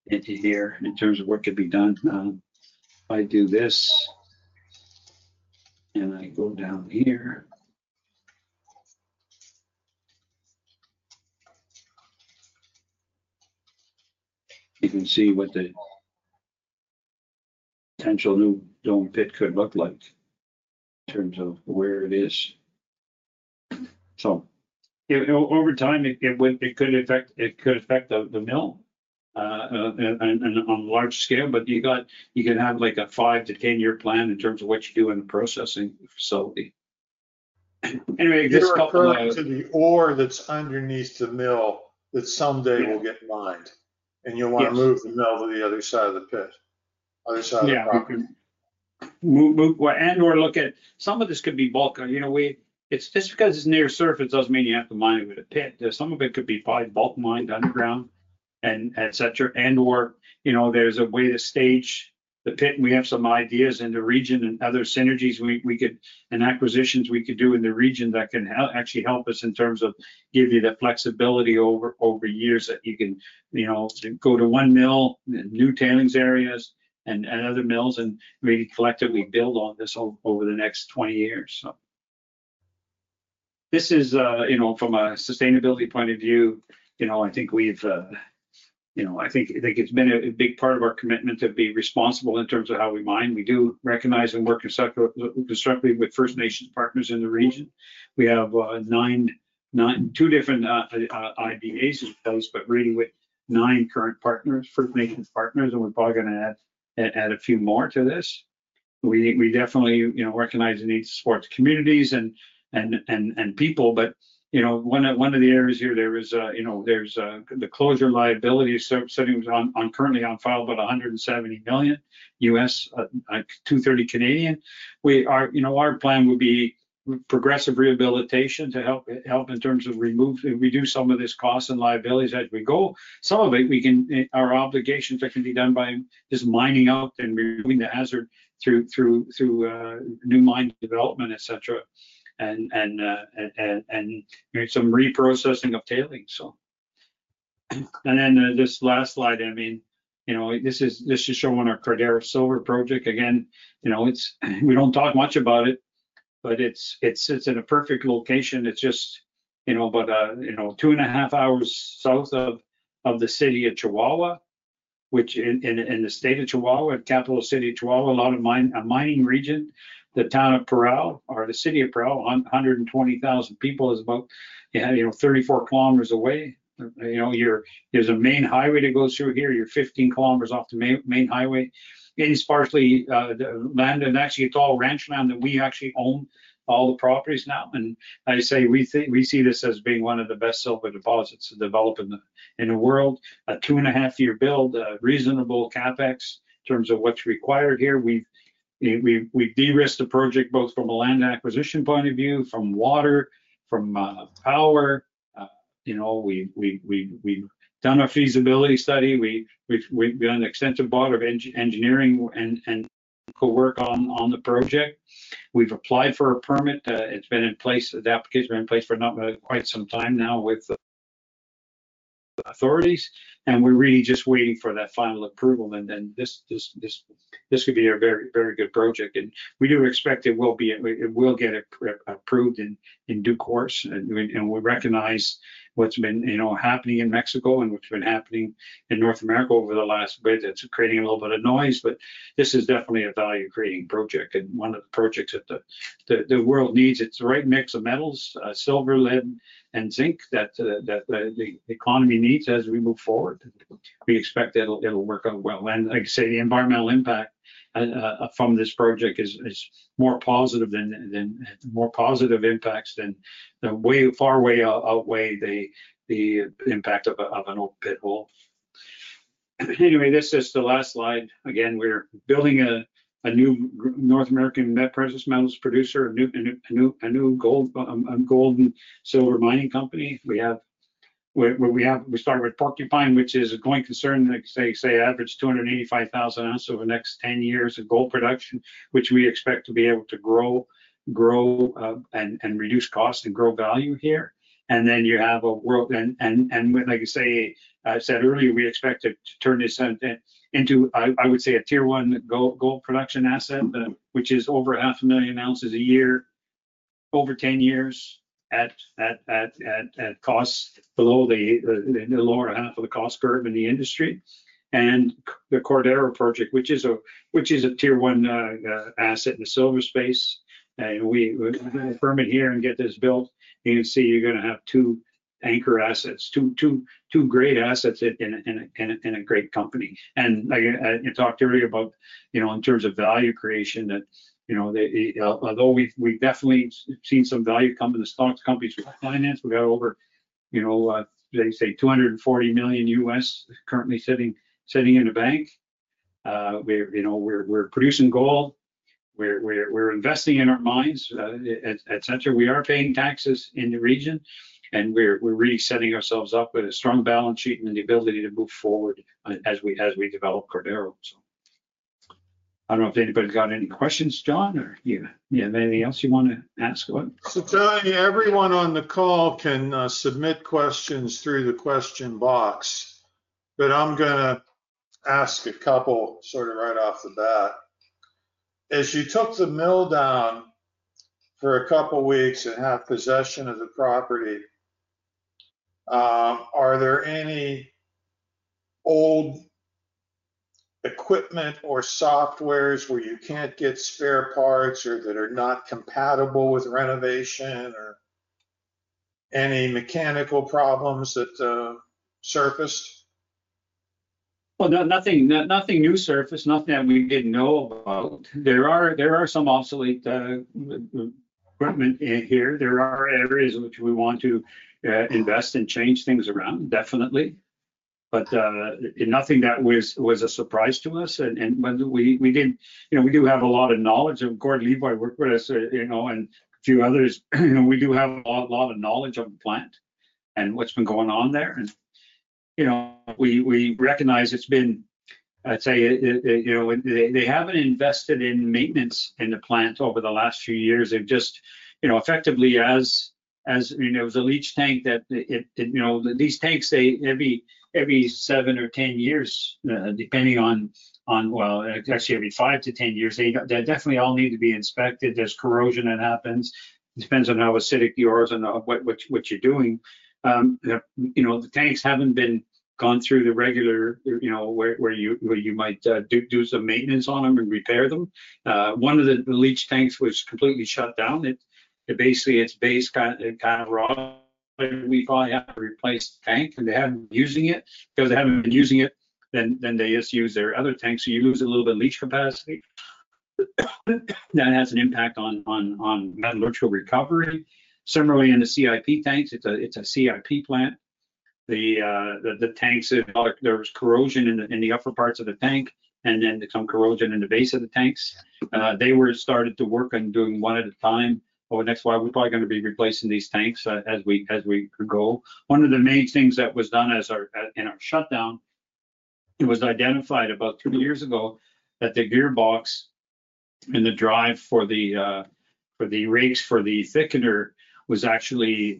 into here in terms of what could be done. If I do this and I go down here, you can see what the potential new Dome pit could look like in terms of where it is. Over time, it could affect the mill on a large scale, but you can have like a five- to ten-year plan in terms of what you do in the processing facility. Anyway, this couple of. To the ore that's underneath the mill that someday will get mined. And you'll want to move the mill to the other side of the pit. Other side of the property. Or look at some of this could be bulk. You know, it's just because it's near surface doesn't mean you have to mine it with a pit. Some of it could be probably bulk mined underground, etc. Or, you know, there's a way to stage the pit. We have some ideas in the region and other synergies we could, and acquisitions we could do in the region that can actually help us in terms of give you the flexibility over years that you can, you know, go to one mill, new tailings areas, and other mills, and maybe collectively build on this over the next 20 years. This is, you know, from a sustainability point of view, you know, I think we've, you know, I think it's been a big part of our commitment to be responsible in terms of how we mine. We do recognize and work constructively with First Nations partners in the region. We have nine, two different IBAs in place, but really with nine current partners, First Nations partners, and we're probably going to add a few more to this. We definitely, you know, recognize the needs towards communities and people, but, you know, one of the areas here, there is, you know, there's the closure liability settings currently on file, about $170 million U.S., 230 million. Our plan would be progressive rehabilitation to help in terms of remove, reduce some of this cost and liabilities as we go. Some of it, we can, our obligations that can be done by just mining out and removing the hazard through new mine development, etc. and some reprocessing of tailings. And then this last slide, I mean, you know, this is showing our Cordero Silver project. Again, you know, we don't talk much about it, but it's in a perfect location. It's just, you know, about, you know, 2.5 hours south of the city of Chihuahua, which in the state of Chihuahua, capital city of Chihuahua, a lot of mining region, the town of Parral or the city of Parral, 120,000 people is about, you know, 34 km away. You know, there's a main highway that goes through here. You're 15 km off the main highway. It's partially land and actually a tall ranch land that we actually own all the properties now. And I say we see this as being one of the best silver deposits to develop in the world. A two and a half year build, reasonable CapEx in terms of what's required here. We've de-risked the project both from a land acquisition point of view, from water, from power. You know, we've done a feasibility study. We've done extensive board of engineering and co-work on the project. We've applied for a permit. It's been in place. The application has been in place for quite some time now with the authorities. We're really just waiting for that final approval. This could be a very, very good project. We do expect it will get approved in due course. We recognize what's been, you know, happening in Mexico and what's been happening in North America over the last bit that's creating a little bit of noise. This is definitely a value-creating project. One of the projects that the world needs, it's the right mix of metals, silver, lead, and zinc that the economy needs as we move forward. We expect it'll work out well. I can say the environmental impact from this project is more positive, with more positive impacts that far outweigh the impact of an old pit hole. Anyway, this is the last slide. Again, we are building a new North American metals producer, a new gold and silver mining company. We started with Porcupine, which is a going concern. They say average 285,000 ounces over the next 10 years of gold production, which we expect to be able to grow and reduce costs and grow value here. You have a world, and like I said earlier, we expect to turn this into, I would say, a tier one gold production asset, which is over 500,000 ounces a year over 10 years at costs below the lower half of the cost curve in the industry. The Cordero project, which is a tier one asset in the silver space. We are in here and get this built. You can see you are going to have two anchor assets, two great assets in a great company. I talked earlier about, you know, in terms of value creation that, you know, although we have definitely seen some value come in the stocks, companies with finance, we got over, you know, they say $240 million currently sitting in the bank. We are producing gold. We are investing in our mines, etc. We are paying taxes in the region. We are really setting ourselves up with a strong balance sheet and the ability to move forward as we develop Cordero. I do not know if anybody has any questions, John, or do you have anything else you want to ask? Telling everyone on the call can submit questions through the question box. I'm going to ask a couple sort of right off the bat. As you took the mill down for a couple of weeks and have possession of the property, are there any old equipment or software where you can't get spare parts or that are not compatible with renovation or any mechanical problems that surfaced? Nothing new surfaced, nothing that we didn't know about. There are some obsolete equipment here. There are areas in which we want to invest and change things around, definitely. Nothing that was a surprise to us. We did, you know, we do have a lot of knowledge. Of course, Levi worked with us, you know, and a few others. We do have a lot of knowledge of the plant and what's been going on there. You know, we recognize it's been, I'd say, you know, they haven't invested in maintenance in the plant over the last few years. They've just, you know, effectively as, you know, it was a leach tank that, you know, these tanks, every seven or ten years, depending on, well, actually every five to ten years, they definitely all need to be inspected. There's corrosion that happens. It depends on how acidic yours and what you're doing. You know, the tanks haven't been gone through the regular, you know, where you might do some maintenance on them and repair them. One of the leach tanks was completely shut down. Basically, its base kind of rotted. We probably have to replace the tank, and they haven't been using it. Because they haven't been using it, they just use their other tanks. You lose a little bit of leach capacity. That has an impact on metallurgical recovery. Similarly, in the CIP tanks, it's a CIP plant. The tanks, there was corrosion in the upper parts of the tank, and then some corrosion in the base of the tanks. They were started to work on doing one at a time. That's why we're probably going to be replacing these tanks as we go. One of the main things that was done in our shutdown was identified about three years ago that the gearbox and the drive for the rigs for the thickener was actually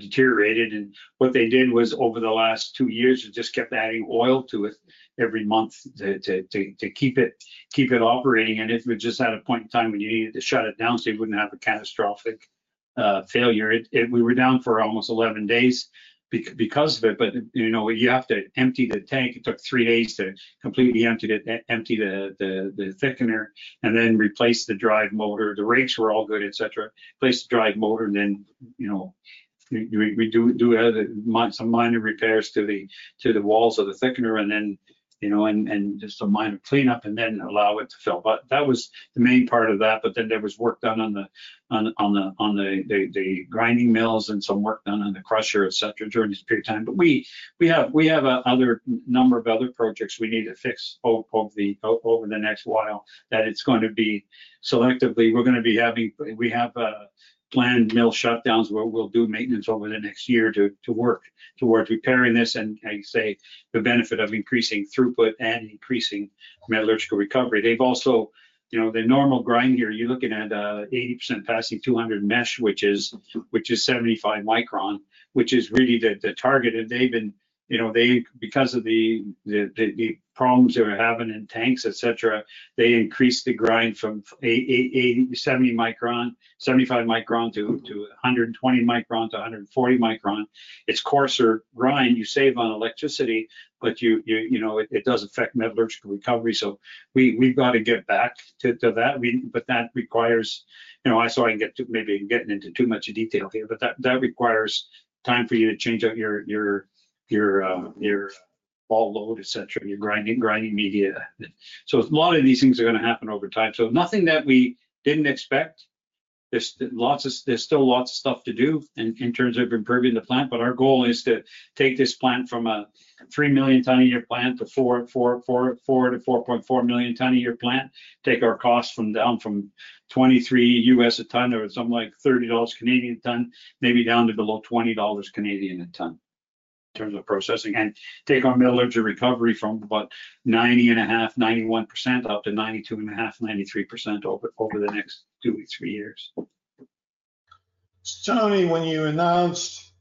deteriorated. What they did was over the last two years, it just kept adding oil to it every month to keep it operating. It was just at a point in time when you needed to shut it down so you wouldn't have a catastrophic failure. We were down for almost 11 days because of it. You have to empty the tank. It took three days to completely empty the thickener and then replace the drive motor. The rigs were all good, etc. Replace the drive motor and then, you know, we do some minor repairs to the walls of the thickener and then, you know, just some minor cleanup and then allow it to fill. That was the main part of that. There was work done on the grinding mills and some work done on the crusher, etc. during this period of time. We have a number of other projects we need to fix over the next while that it's going to be selectively. We're going to be having, we have planned mill shutdowns where we'll do maintenance over the next year to work towards repairing this and, I say, the benefit of increasing throughput and increasing metallurgical recovery. They've also, you know, the normal grind here, you're looking at 80% passing 200 mesh, which is 75 micron, which is really the target. And they've been, you know, because of the problems they were having in tanks, etc., they increased the grind from 70 micron, 75 micron to 120 micron to 140 micron. It's coarser grind. You save on electricity, but you know, it does affect metallurgical recovery. We've got to get back to that. That requires, you know, I saw I can get maybe getting into too much detail here, but that requires time for you to change out your ball load, etc., your grinding media. A lot of these things are going to happen over time. Nothing that we did not expect. There is still lots of stuff to do in terms of improving the plant. Our goal is to take this plant from a 3 million ton a year plant to a 4-4.4 million ton a year plant, take our costs down from $23 a ton or something like 30 Canadian dollars a ton, maybe down to below 20 Canadian dollars a ton in terms of processing, and take our metallurgical recovery from about 90.5%-91% up to 92.5%-93% over the next two or three years. Tell me when you announced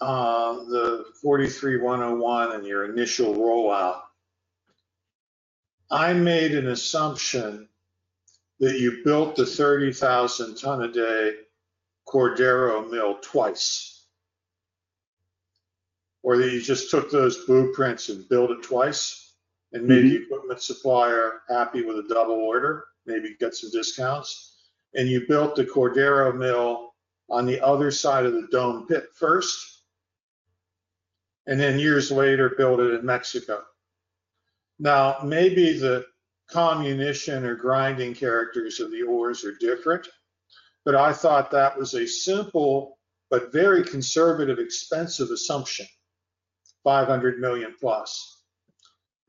the 43101 and your initial rollout, I made an assumption that you built the 30,000-ton-a-day Cordero mill twice, or that you just took those blueprints and built it twice and made the equipment supplier happy with a double order, maybe get some discounts. You built the Cordero mill on the other side of the Dome pit first, and then years later built it in Mexico. Now, maybe the comminution or grinding characters of the ores are different, but I thought that was a simple but very conservative expensive assumption, $500 million plus.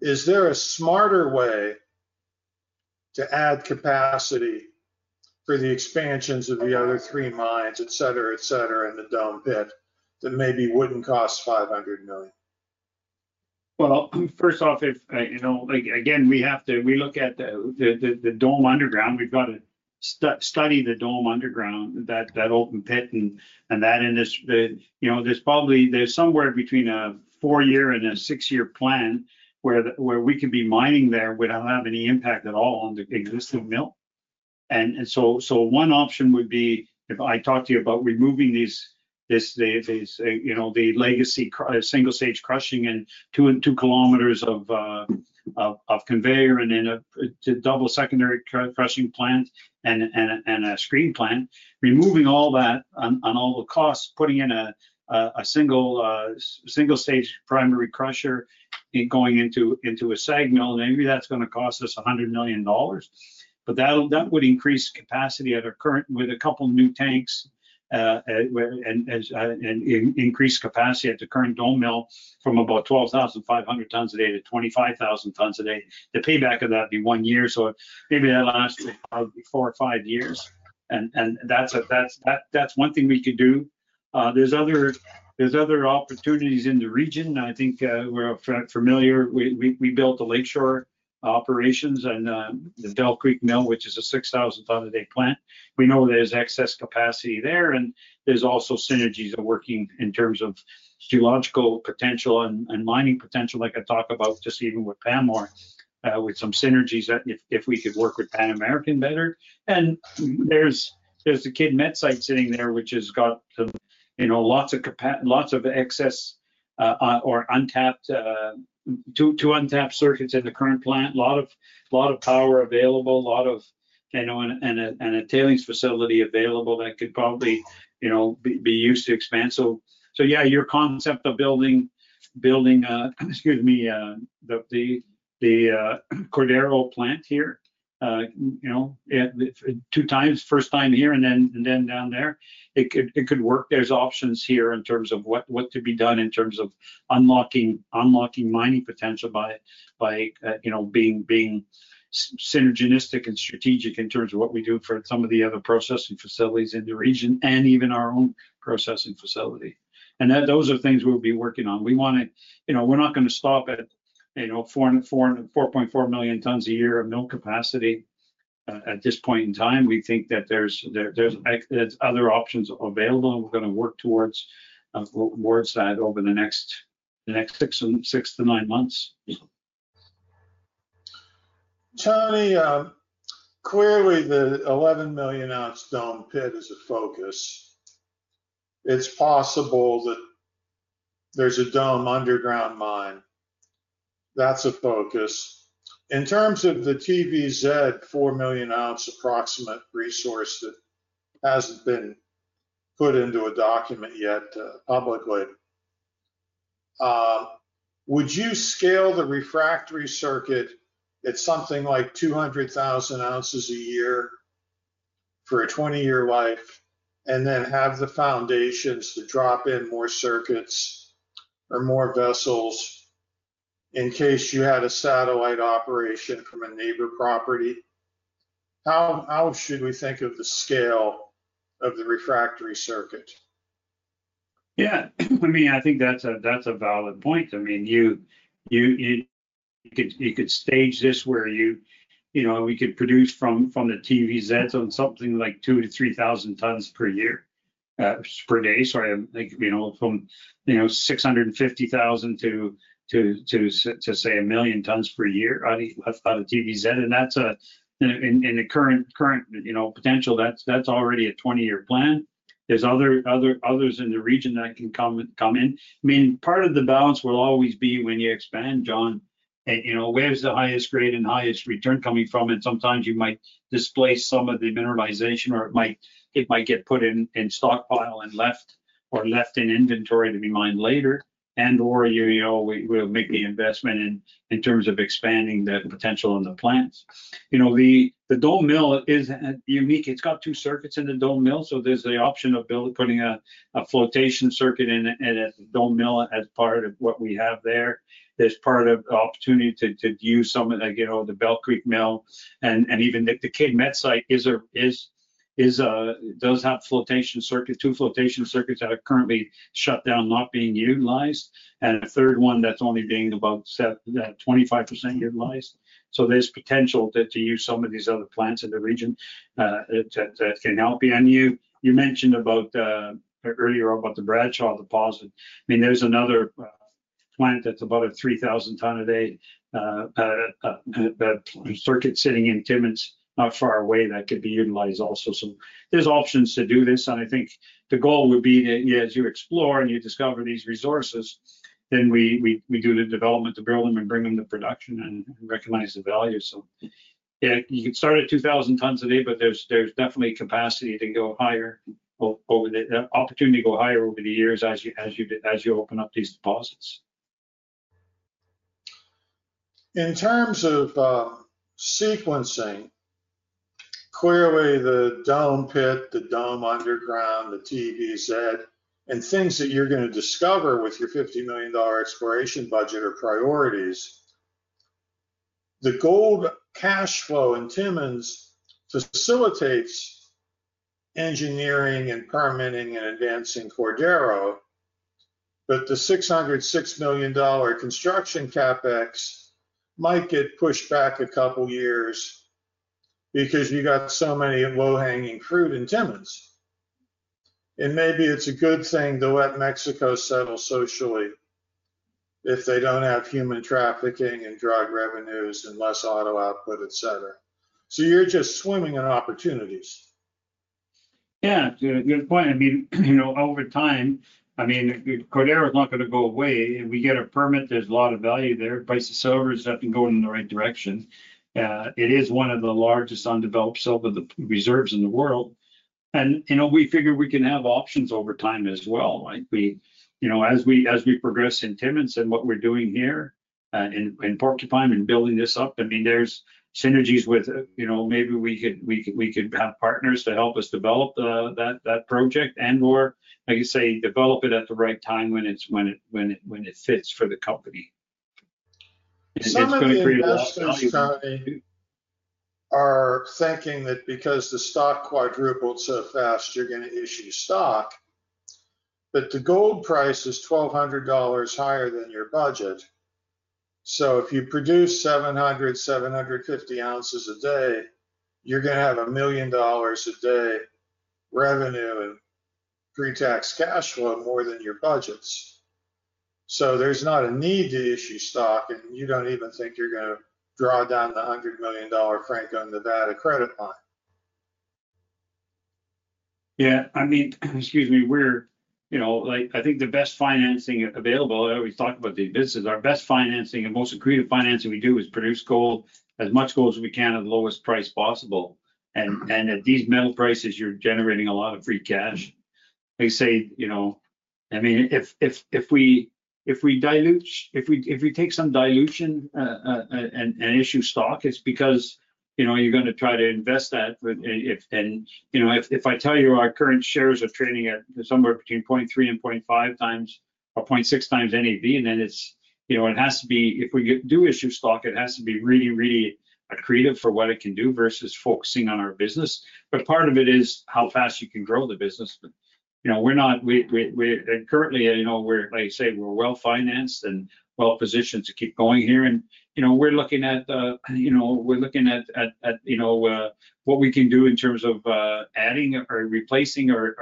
Is there a smarter way to add capacity for the expansions of the other three mines, etc., etc., in the Dome pit that maybe would not cost $500 million? First off, you know, again, we have to look at the Dome underground. We've got to study the Dome underground, that open pit and that. There's probably somewhere between a four-year and a six-year plan where we could be mining there without having any impact at all on the existing mill. One option would be if I talk to you about removing these, you know, the legacy single-stage crushing and two kilometers of conveyor and then a double secondary crushing plant and a screen plant, removing all that on all the costs, putting in a single-stage primary crusher and going into a segment, and maybe that's going to cost us $100 million. That would increase capacity at our current with a couple of new tanks and increase capacity at the current Dome mill from about 12,500 tons a day to 25,000 tons a day. The payback of that would be one year. Maybe that lasts for four or five years. That's one thing we could do. There's other opportunities in the region. I think we're familiar. We built the Lakeshore operations and the Del Creek mill, which is a 6,000-ton-a-day plant. We know there's excess capacity there. There's also synergies that are working in terms of geological potential and mining potential, like I talked about just even with Pan American, with some synergies that if we could work with Pan American better. There's the Kidd Met site sitting there, which has got lots of excess or untapped circuits in the current plant, a lot of power available, and a tailings facility available that could probably be used to expand. Yeah, your concept of building, excuse me, the Cordero plant here, you know, two times, first time here and then down there, it could work. There are options here in terms of what could be done in terms of unlocking mining potential by, you know, being synergistic and strategic in terms of what we do for some of the other processing facilities in the region and even our own processing facility. Those are things we'll be working on. We want to, you know, we're not going to stop at, you know, 4.4 million tons a year of mill capacity at this point in time. We think that there are other options available, and we're going to work towards that over the next six to nine months. Tony, clearly the 11 million ounce Dome pit is a focus. It's possible that there's a Dome underground mine. That's a focus. In terms of the TVZ, 4 million ounce approximate resource that hasn't been put into a document yet publicly, would you scale the refractory circuit at something like 200,000 ounces a year for a 20-year life and then have the foundations to drop in more circuits or more vessels in case you had a satellite operation from a neighbor property? How should we think of the scale of the refractory circuit? Yeah. I mean, I think that's a valid point. I mean, you could stage this where you, you know, we could produce from the TVZs on something like 2,000 to 3,000 tons per day. So from, you know, 650,000 to, to say, 1 million tons per year out of TVZ. And that's in the current, you know, potential. That's already a 20-year plan. There's others in the region that can come in. I mean, part of the balance will always be when you expand, John, you know, where's the highest grade and highest return coming from? Sometimes you might displace some of the mineralization or it might get put in stockpile and left or left in inventory to be mined later. You will make the investment in terms of expanding the potential on the plants. You know, the Dome mill is unique. It's got two circuits in the Dome mill. There's the option of putting a flotation circuit in the Dome mill as part of what we have there. There's part of the opportunity to use some of the, you know, the Bell Creek mill. Even the Kidd Met site does have two flotation circuits that are currently shut down, not being utilized, and a third one that's only being about 25% utilized. There's potential to use some of these other plants in the region that can help. You mentioned earlier about the Bradshaw deposit. I mean, there's another plant that's about a 3,000-ton-a-day circuit sitting in Timmins not far away that could be utilized also. There are options to do this. I think the goal would be that as you explore and you discover these resources, then we do the development to build them and bring them to production and recognize the value. You can start at 2,000 tons a day, but there's definitely capacity to go higher over the years as you open up these deposits. In terms of sequencing, clearly the Dome pit, the Dome underground, the TVZ, and things that you're going to discover with your $50 million exploration budget are priorities. The gold cash flow in Timmins facilitates engineering and permitting and advancing Cordero. The $606 million construction CapEx might get pushed back a couple of years because you got so many low-hanging fruit in Timmins. Maybe it's a good thing to let Mexico settle socially if they don't have human trafficking and drug revenues and less auto output, etc. You're just swimming in opportunities. Yeah. To your point, I mean, you know, over time, I mean, Cordero is not going to go away. We get a permit. There's a lot of value there. Price of silver is definitely going in the right direction. It is one of the largest undeveloped silver reserves in the world. You know, we figure we can have options over time as well. You know, as we progress in Timmins and what we're doing here in Porcupine and building this up, I mean, there's synergies with, you know, maybe we could have partners to help us develop that project and/or, like I say, develop it at the right time when it fits for the company. Some of the investors are thinking that because the stock quadrupled so fast, you're going to issue stock. The gold price is $1,200 higher than your budget. If you produce 700-750 ounces a day, you're going to have $1 million a day revenue and pre-tax cash flow more than your budgets. There's not a need to issue stock, and you don't even think you're going to draw down the $100 million Franco-Nevada Credit Line. Yeah. I mean, excuse me, we're, you know, I think the best financing available, we talk about the business, our best financing and most agreed financing we do is produce gold, as much gold as we can at the lowest price possible. At these metal prices, you're generating a lot of free cash. I say, you know, I mean, if we dilute, if we take some dilution and issue stock, it's because, you know, you're going to try to invest that. You know, if I tell you our current shares are trading at somewhere between 0.3 and 0.5xor 0.6x NAV, it has to be, if we do issue stock, it has to be really, really accretive for what it can do versus focusing on our business. Part of it is how fast you can grow the business. You know, we're not currently, you know, like I say, we're well-financed and well-positioned to keep going here. You know, we're looking at what we can do in terms of adding or replacing or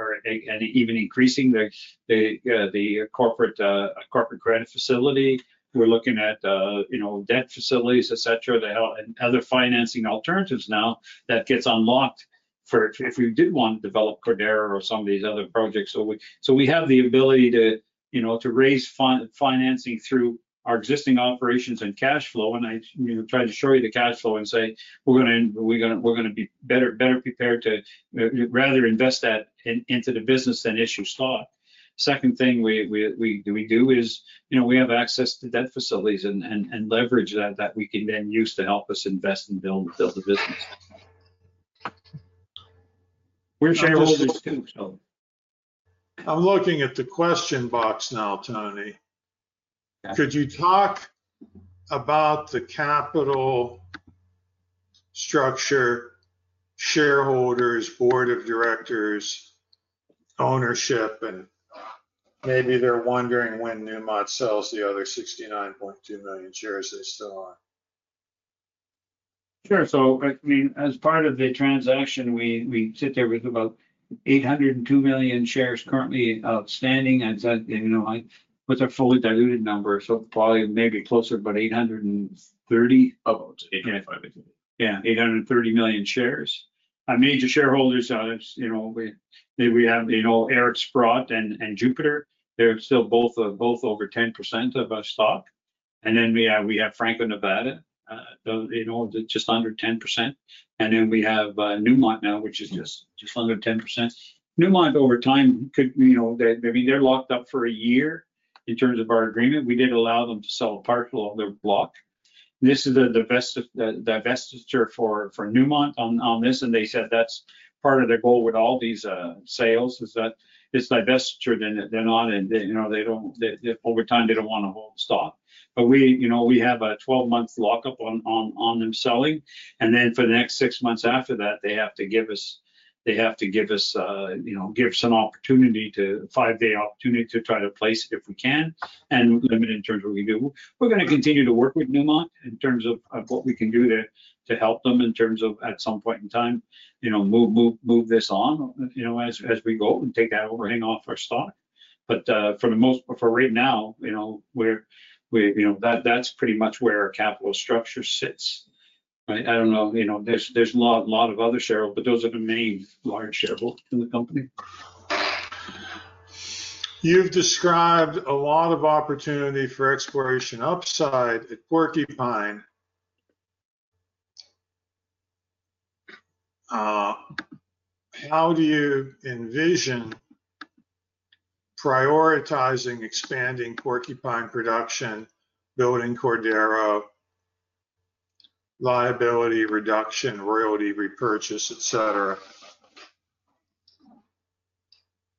even increasing the corporate credit facility. We're looking at debt facilities, etc., and other financing alternatives now that gets unlocked for if we did want to develop Cordero or some of these other projects. We have the ability to raise financing through our existing operations and cash flow. I, you know, try to show you the cash flow and say we're going to be better prepared to rather invest that into the business than issue stock. Second thing we do is, you know, we have access to debt facilities and leverage that we can then use to help us invest and build the business. We're shareholders too, so. I'm looking at the question box now, Tony. Could you talk about the capital structure, shareholders, board of directors, ownership, and maybe they're wondering when Newmont sells the other 69.2 million shares they still own. Sure. So, I mean, as part of the transaction, we sit there with about 802 million shares currently outstanding. I said, you know, with a fully diluted number, so probably maybe closer, but 830. About 850. Yeah, 830 million shares. Our major shareholders, you know, we have, you know, Eric Sprott and Jupiter. They're still both over 10% of our stock. And then we have Franco-Nevada, you know, just under 10%. And then we have Newmont now, which is just under 10%. Newmont, over time, could, you know, I mean, they're locked up for a year in terms of our agreement. We did allow them to sell a partial of their block. This is the divestiture for Newmont on this. And they said that's part of the goal with all these sales is that it's divestiture than on it. You know, they don't, over time, they don't want to hold stock. But we, you know, we have a 12-month lockup on them selling. For the next six months after that, they have to give us, they have to give us, you know, give us an opportunity to, five-day opportunity to try to place it if we can. Limit in terms of what we do. We're going to continue to work with Newmont in terms of what we can do to help them in terms of at some point in time, you know, move this on, you know, as we go and take that overhang off our stock. For right now, you know, we're, you know, that's pretty much where our capital structure sits. I don't know, you know, there's a lot of other shareholders, but those are the main large shareholders in the company. You've described a lot of opportunity for exploration upside at Porcupine. How do you envision prioritizing expanding Porcupine production, building Cordero, liability reduction, royalty repurchase, etc.?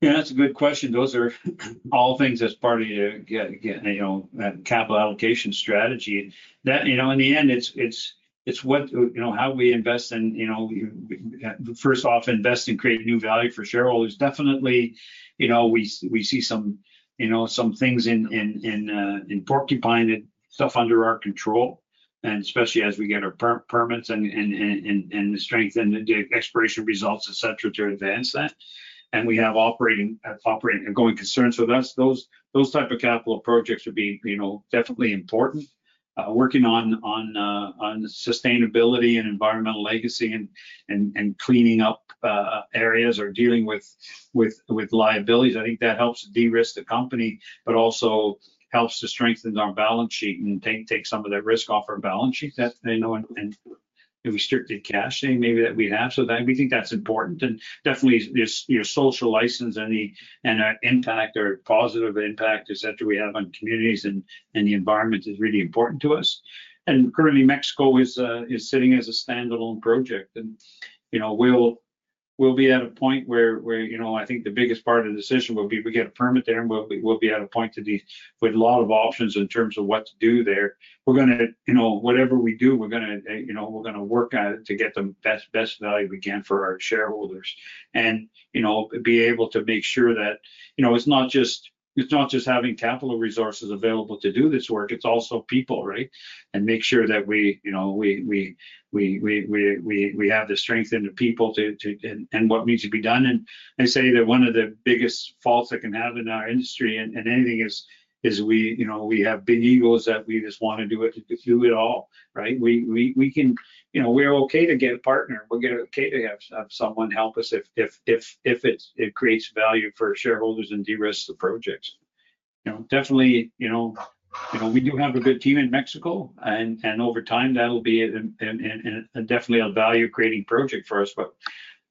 Yeah, that's a good question. Those are all things as part of your, you know, capital allocation strategy. That, you know, in the end, it's what, you know, how we invest in, you know, first off, invest and create new value for shareholders. Definitely, you know, we see some, you know, some things in Porcupine and stuff under our control, and especially as we get our permits and the strength and the exploration results, etc., to advance that. We have operating and going concerns with us. Those type of capital projects would be, you know, definitely important. Working on sustainability and environmental legacy and cleaning up areas or dealing with liabilities, I think that helps de-risk the company, but also helps to strengthen our balance sheet and take some of that risk off our balance sheet. Restricted cashing, maybe that we have. We think that's important. Your social license and the impact or positive impact, etc., we have on communities and the environment is really important to us. Currently, Mexico is sitting as a standalone project. You know, we'll be at a point where, you know, I think the biggest part of the decision will be we get a permit there and we'll be at a point with a lot of options in terms of what to do there. We're going to, you know, whatever we do, we're going to, you know, we're going to work at it to get the best value we can for our shareholders. You know, be able to make sure that, you know, it's not just having capital resources available to do this work, it's also people, right? Make sure that we, you know, we have the strength and the people to and what needs to be done. I say that one of the biggest faults that can happen in our industry and anything is, you know, we have big egos that we just want to do it to do it all, right? We can, you know, we're okay to get a partner. We're okay to have someone help us if it creates value for shareholders and de-risk the projects. You know, definitely, you know, we do have a good team in Mexico. Over time, that'll be definitely a value-creating project for us.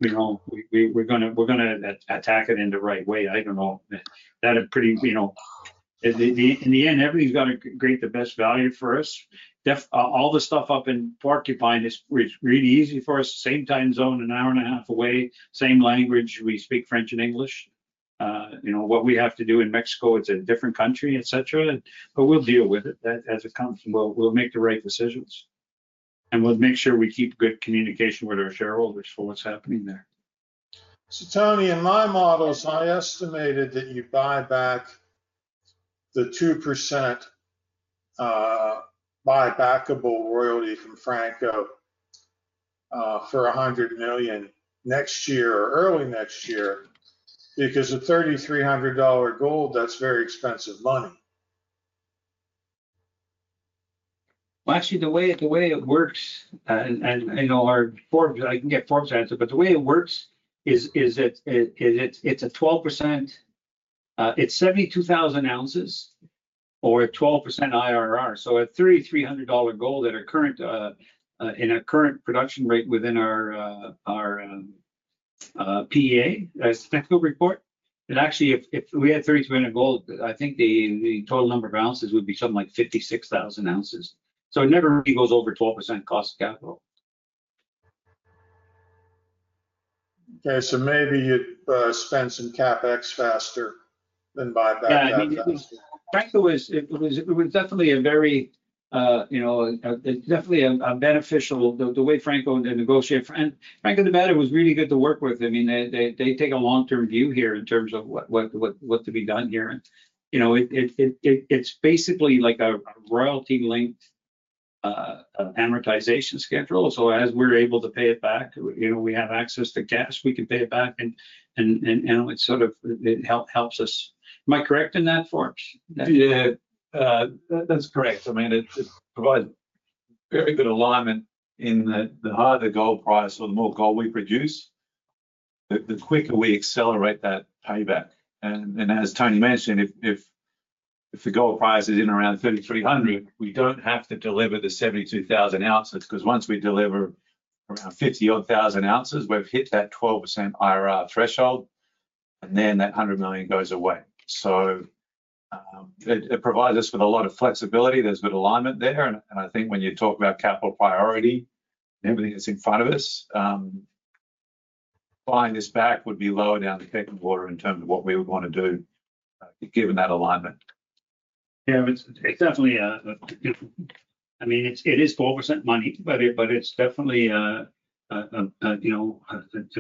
You know, we're going to attack it in the right way. I don't know. That's a pretty, you know, in the end, everything's got to create the best value for us. All the stuff up in Porcupine is really easy for us. Same time zone, an hour and a half away. Same language. We speak French and English. You know, what we have to do in Mexico, it's a different country, etc. We will deal with it as it comes. We will make the right decisions. We will make sure we keep good communication with our shareholders for what's happening there. Tony, in my models, I estimated that you buy back the 2% buy-backable royalty from Franco-Nevada for $100 million next year or early next year because the $3,300 gold, that's very expensive money. Actually, the way it works, and I know our forms, I can get forms answered, but the way it works is it's a 12%, it's 72,000 ounces or a 12% IRR. At $3,300 gold at a current, in a current production rate within our PEA, that's the technical report. Actually, if we had $3,300 gold, I think the total number of ounces would be something like 56,000 ounces. It never really goes over 12% cost of capital. Okay. Maybe you'd spend some CapEx faster than buy-back capital. Yeah. Franco-Nevada was, it was definitely a very, you know, definitely a beneficial, the way Franco-Nevada negotiated. Franco-Nevada was really good to work with. I mean, they take a long-term view here in terms of what to be done here. You know, it's basically like a royalty-linked amortization schedule. As we're able to pay it back, you know, we have access to cash, we can pay it back. It sort of helps us. Am I correct in that form? Yeah. That's correct. I mean, it provides very good alignment in the higher the gold price or the more gold we produce, the quicker we accelerate that payback. As Tony mentioned, if the gold price is in around $3,300, we do not have to deliver the 72,000 ounces. Because once we deliver around 50-odd thousand ounces, we have hit that 12% IRR threshold. Then that $100 million goes away. It provides us with a lot of flexibility. There is good alignment there. I think when you talk about capital priority, everything that is in front of us, buying this back would be lower down the pecking order in terms of what we would want to do given that alignment. Yeah. It's definitely, I mean, it is 12% money, but it's definitely, you know, a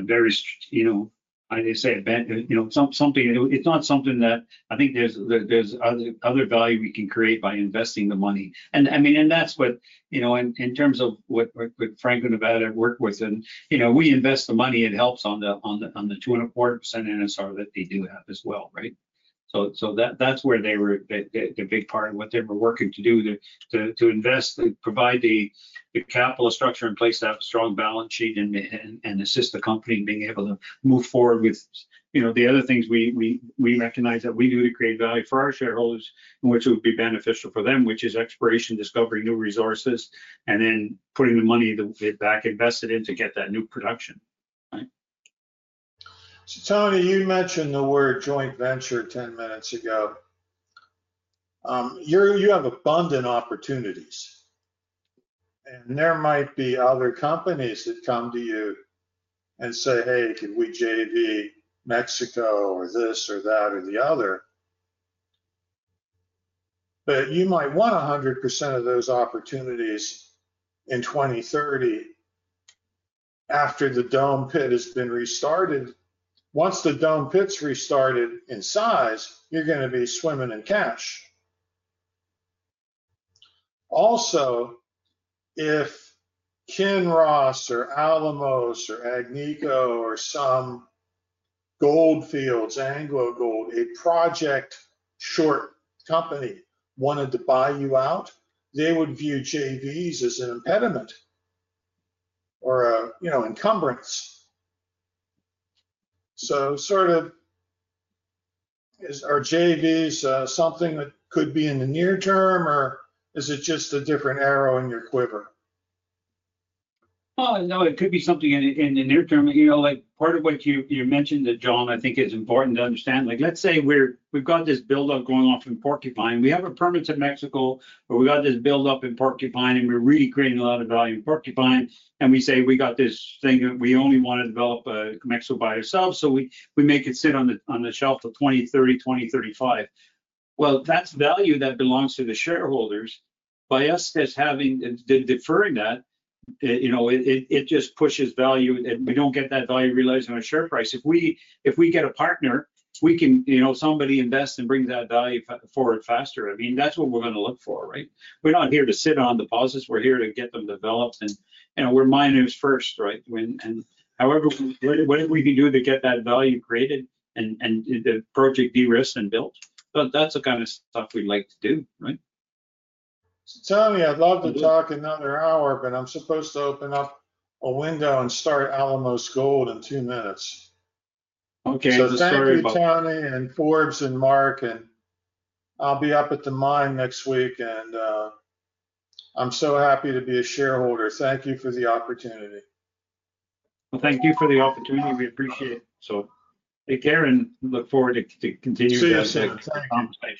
very, you know, I say, you know, something, it's not something that I think there's other value we can create by investing the money. I mean, that's what, you know, in terms of what Franco-Nevada worked with. You know, we invest the money. It helps on the 2.4% NSR that they do have as well, right? That is where they were the big part of what they were working to do to invest, to provide the capital structure in place to have a strong balance sheet and assist the company in being able to move forward with, you know, the other things we recognize that we do to create value for our shareholders, which would be beneficial for them, which is exploration, discovering new resources, and then putting the money that we have back invested in to get that new production, right? Tony, you mentioned the word joint venture 10 minutes ago. You have abundant opportunities. There might be other companies that come to you and say, "Hey, could we JV Mexico or this or that or the other?" You might want 100% of those opportunities in 2030 after the Dome pit has been restarted. Once the Dome pit's restarted in size, you're going to be swimming in cash. Also, if Kinross or Alamos or Agnico or some Gold Fields, AngloGold, a project short company wanted to buy you out, they would view JVs as an impediment or a, you know, encumbrance. So sort of, are JVs something that could be in the near term or is it just a different arrow in your quiver? No, it could be something in the near term. You know, like part of what you mentioned, John, I think is important to understand. Like let's say we've got this buildup going off in Porcupine. We have a permit to Mexico, or we've got this buildup in Porcupine, and we're really creating a lot of value in Porcupine. And we say we got this thing that we only want to develop Mexico by ourselves. We make it sit on the shelf of 2030, 2035. That is value that belongs to the shareholders. By us deferring that, you know, it just pushes value. We do not get that value realized on a share price. If we get a partner, we can, you know, somebody invest and bring that value forward faster. I mean, that is what we are going to look for, right? We are not here to sit on deposits. We are here to get them developed. We are miners first, right? However, whatever we can do to get that value created and the project de-risked and built, that is the kind of stuff we would like to do, right? Tony, I would love to talk another hour, but I am supposed to open up a window and start Alamos Gold in two minutes. Okay. Thank you, Tony, and Forbes and Mark. I'll be up at the mine next week. I'm so happy to be a shareholder. Thank you for the opportunity. Thank you for the opportunity. We appreciate it. Hey, Karen, look forward to continuing to have a good time.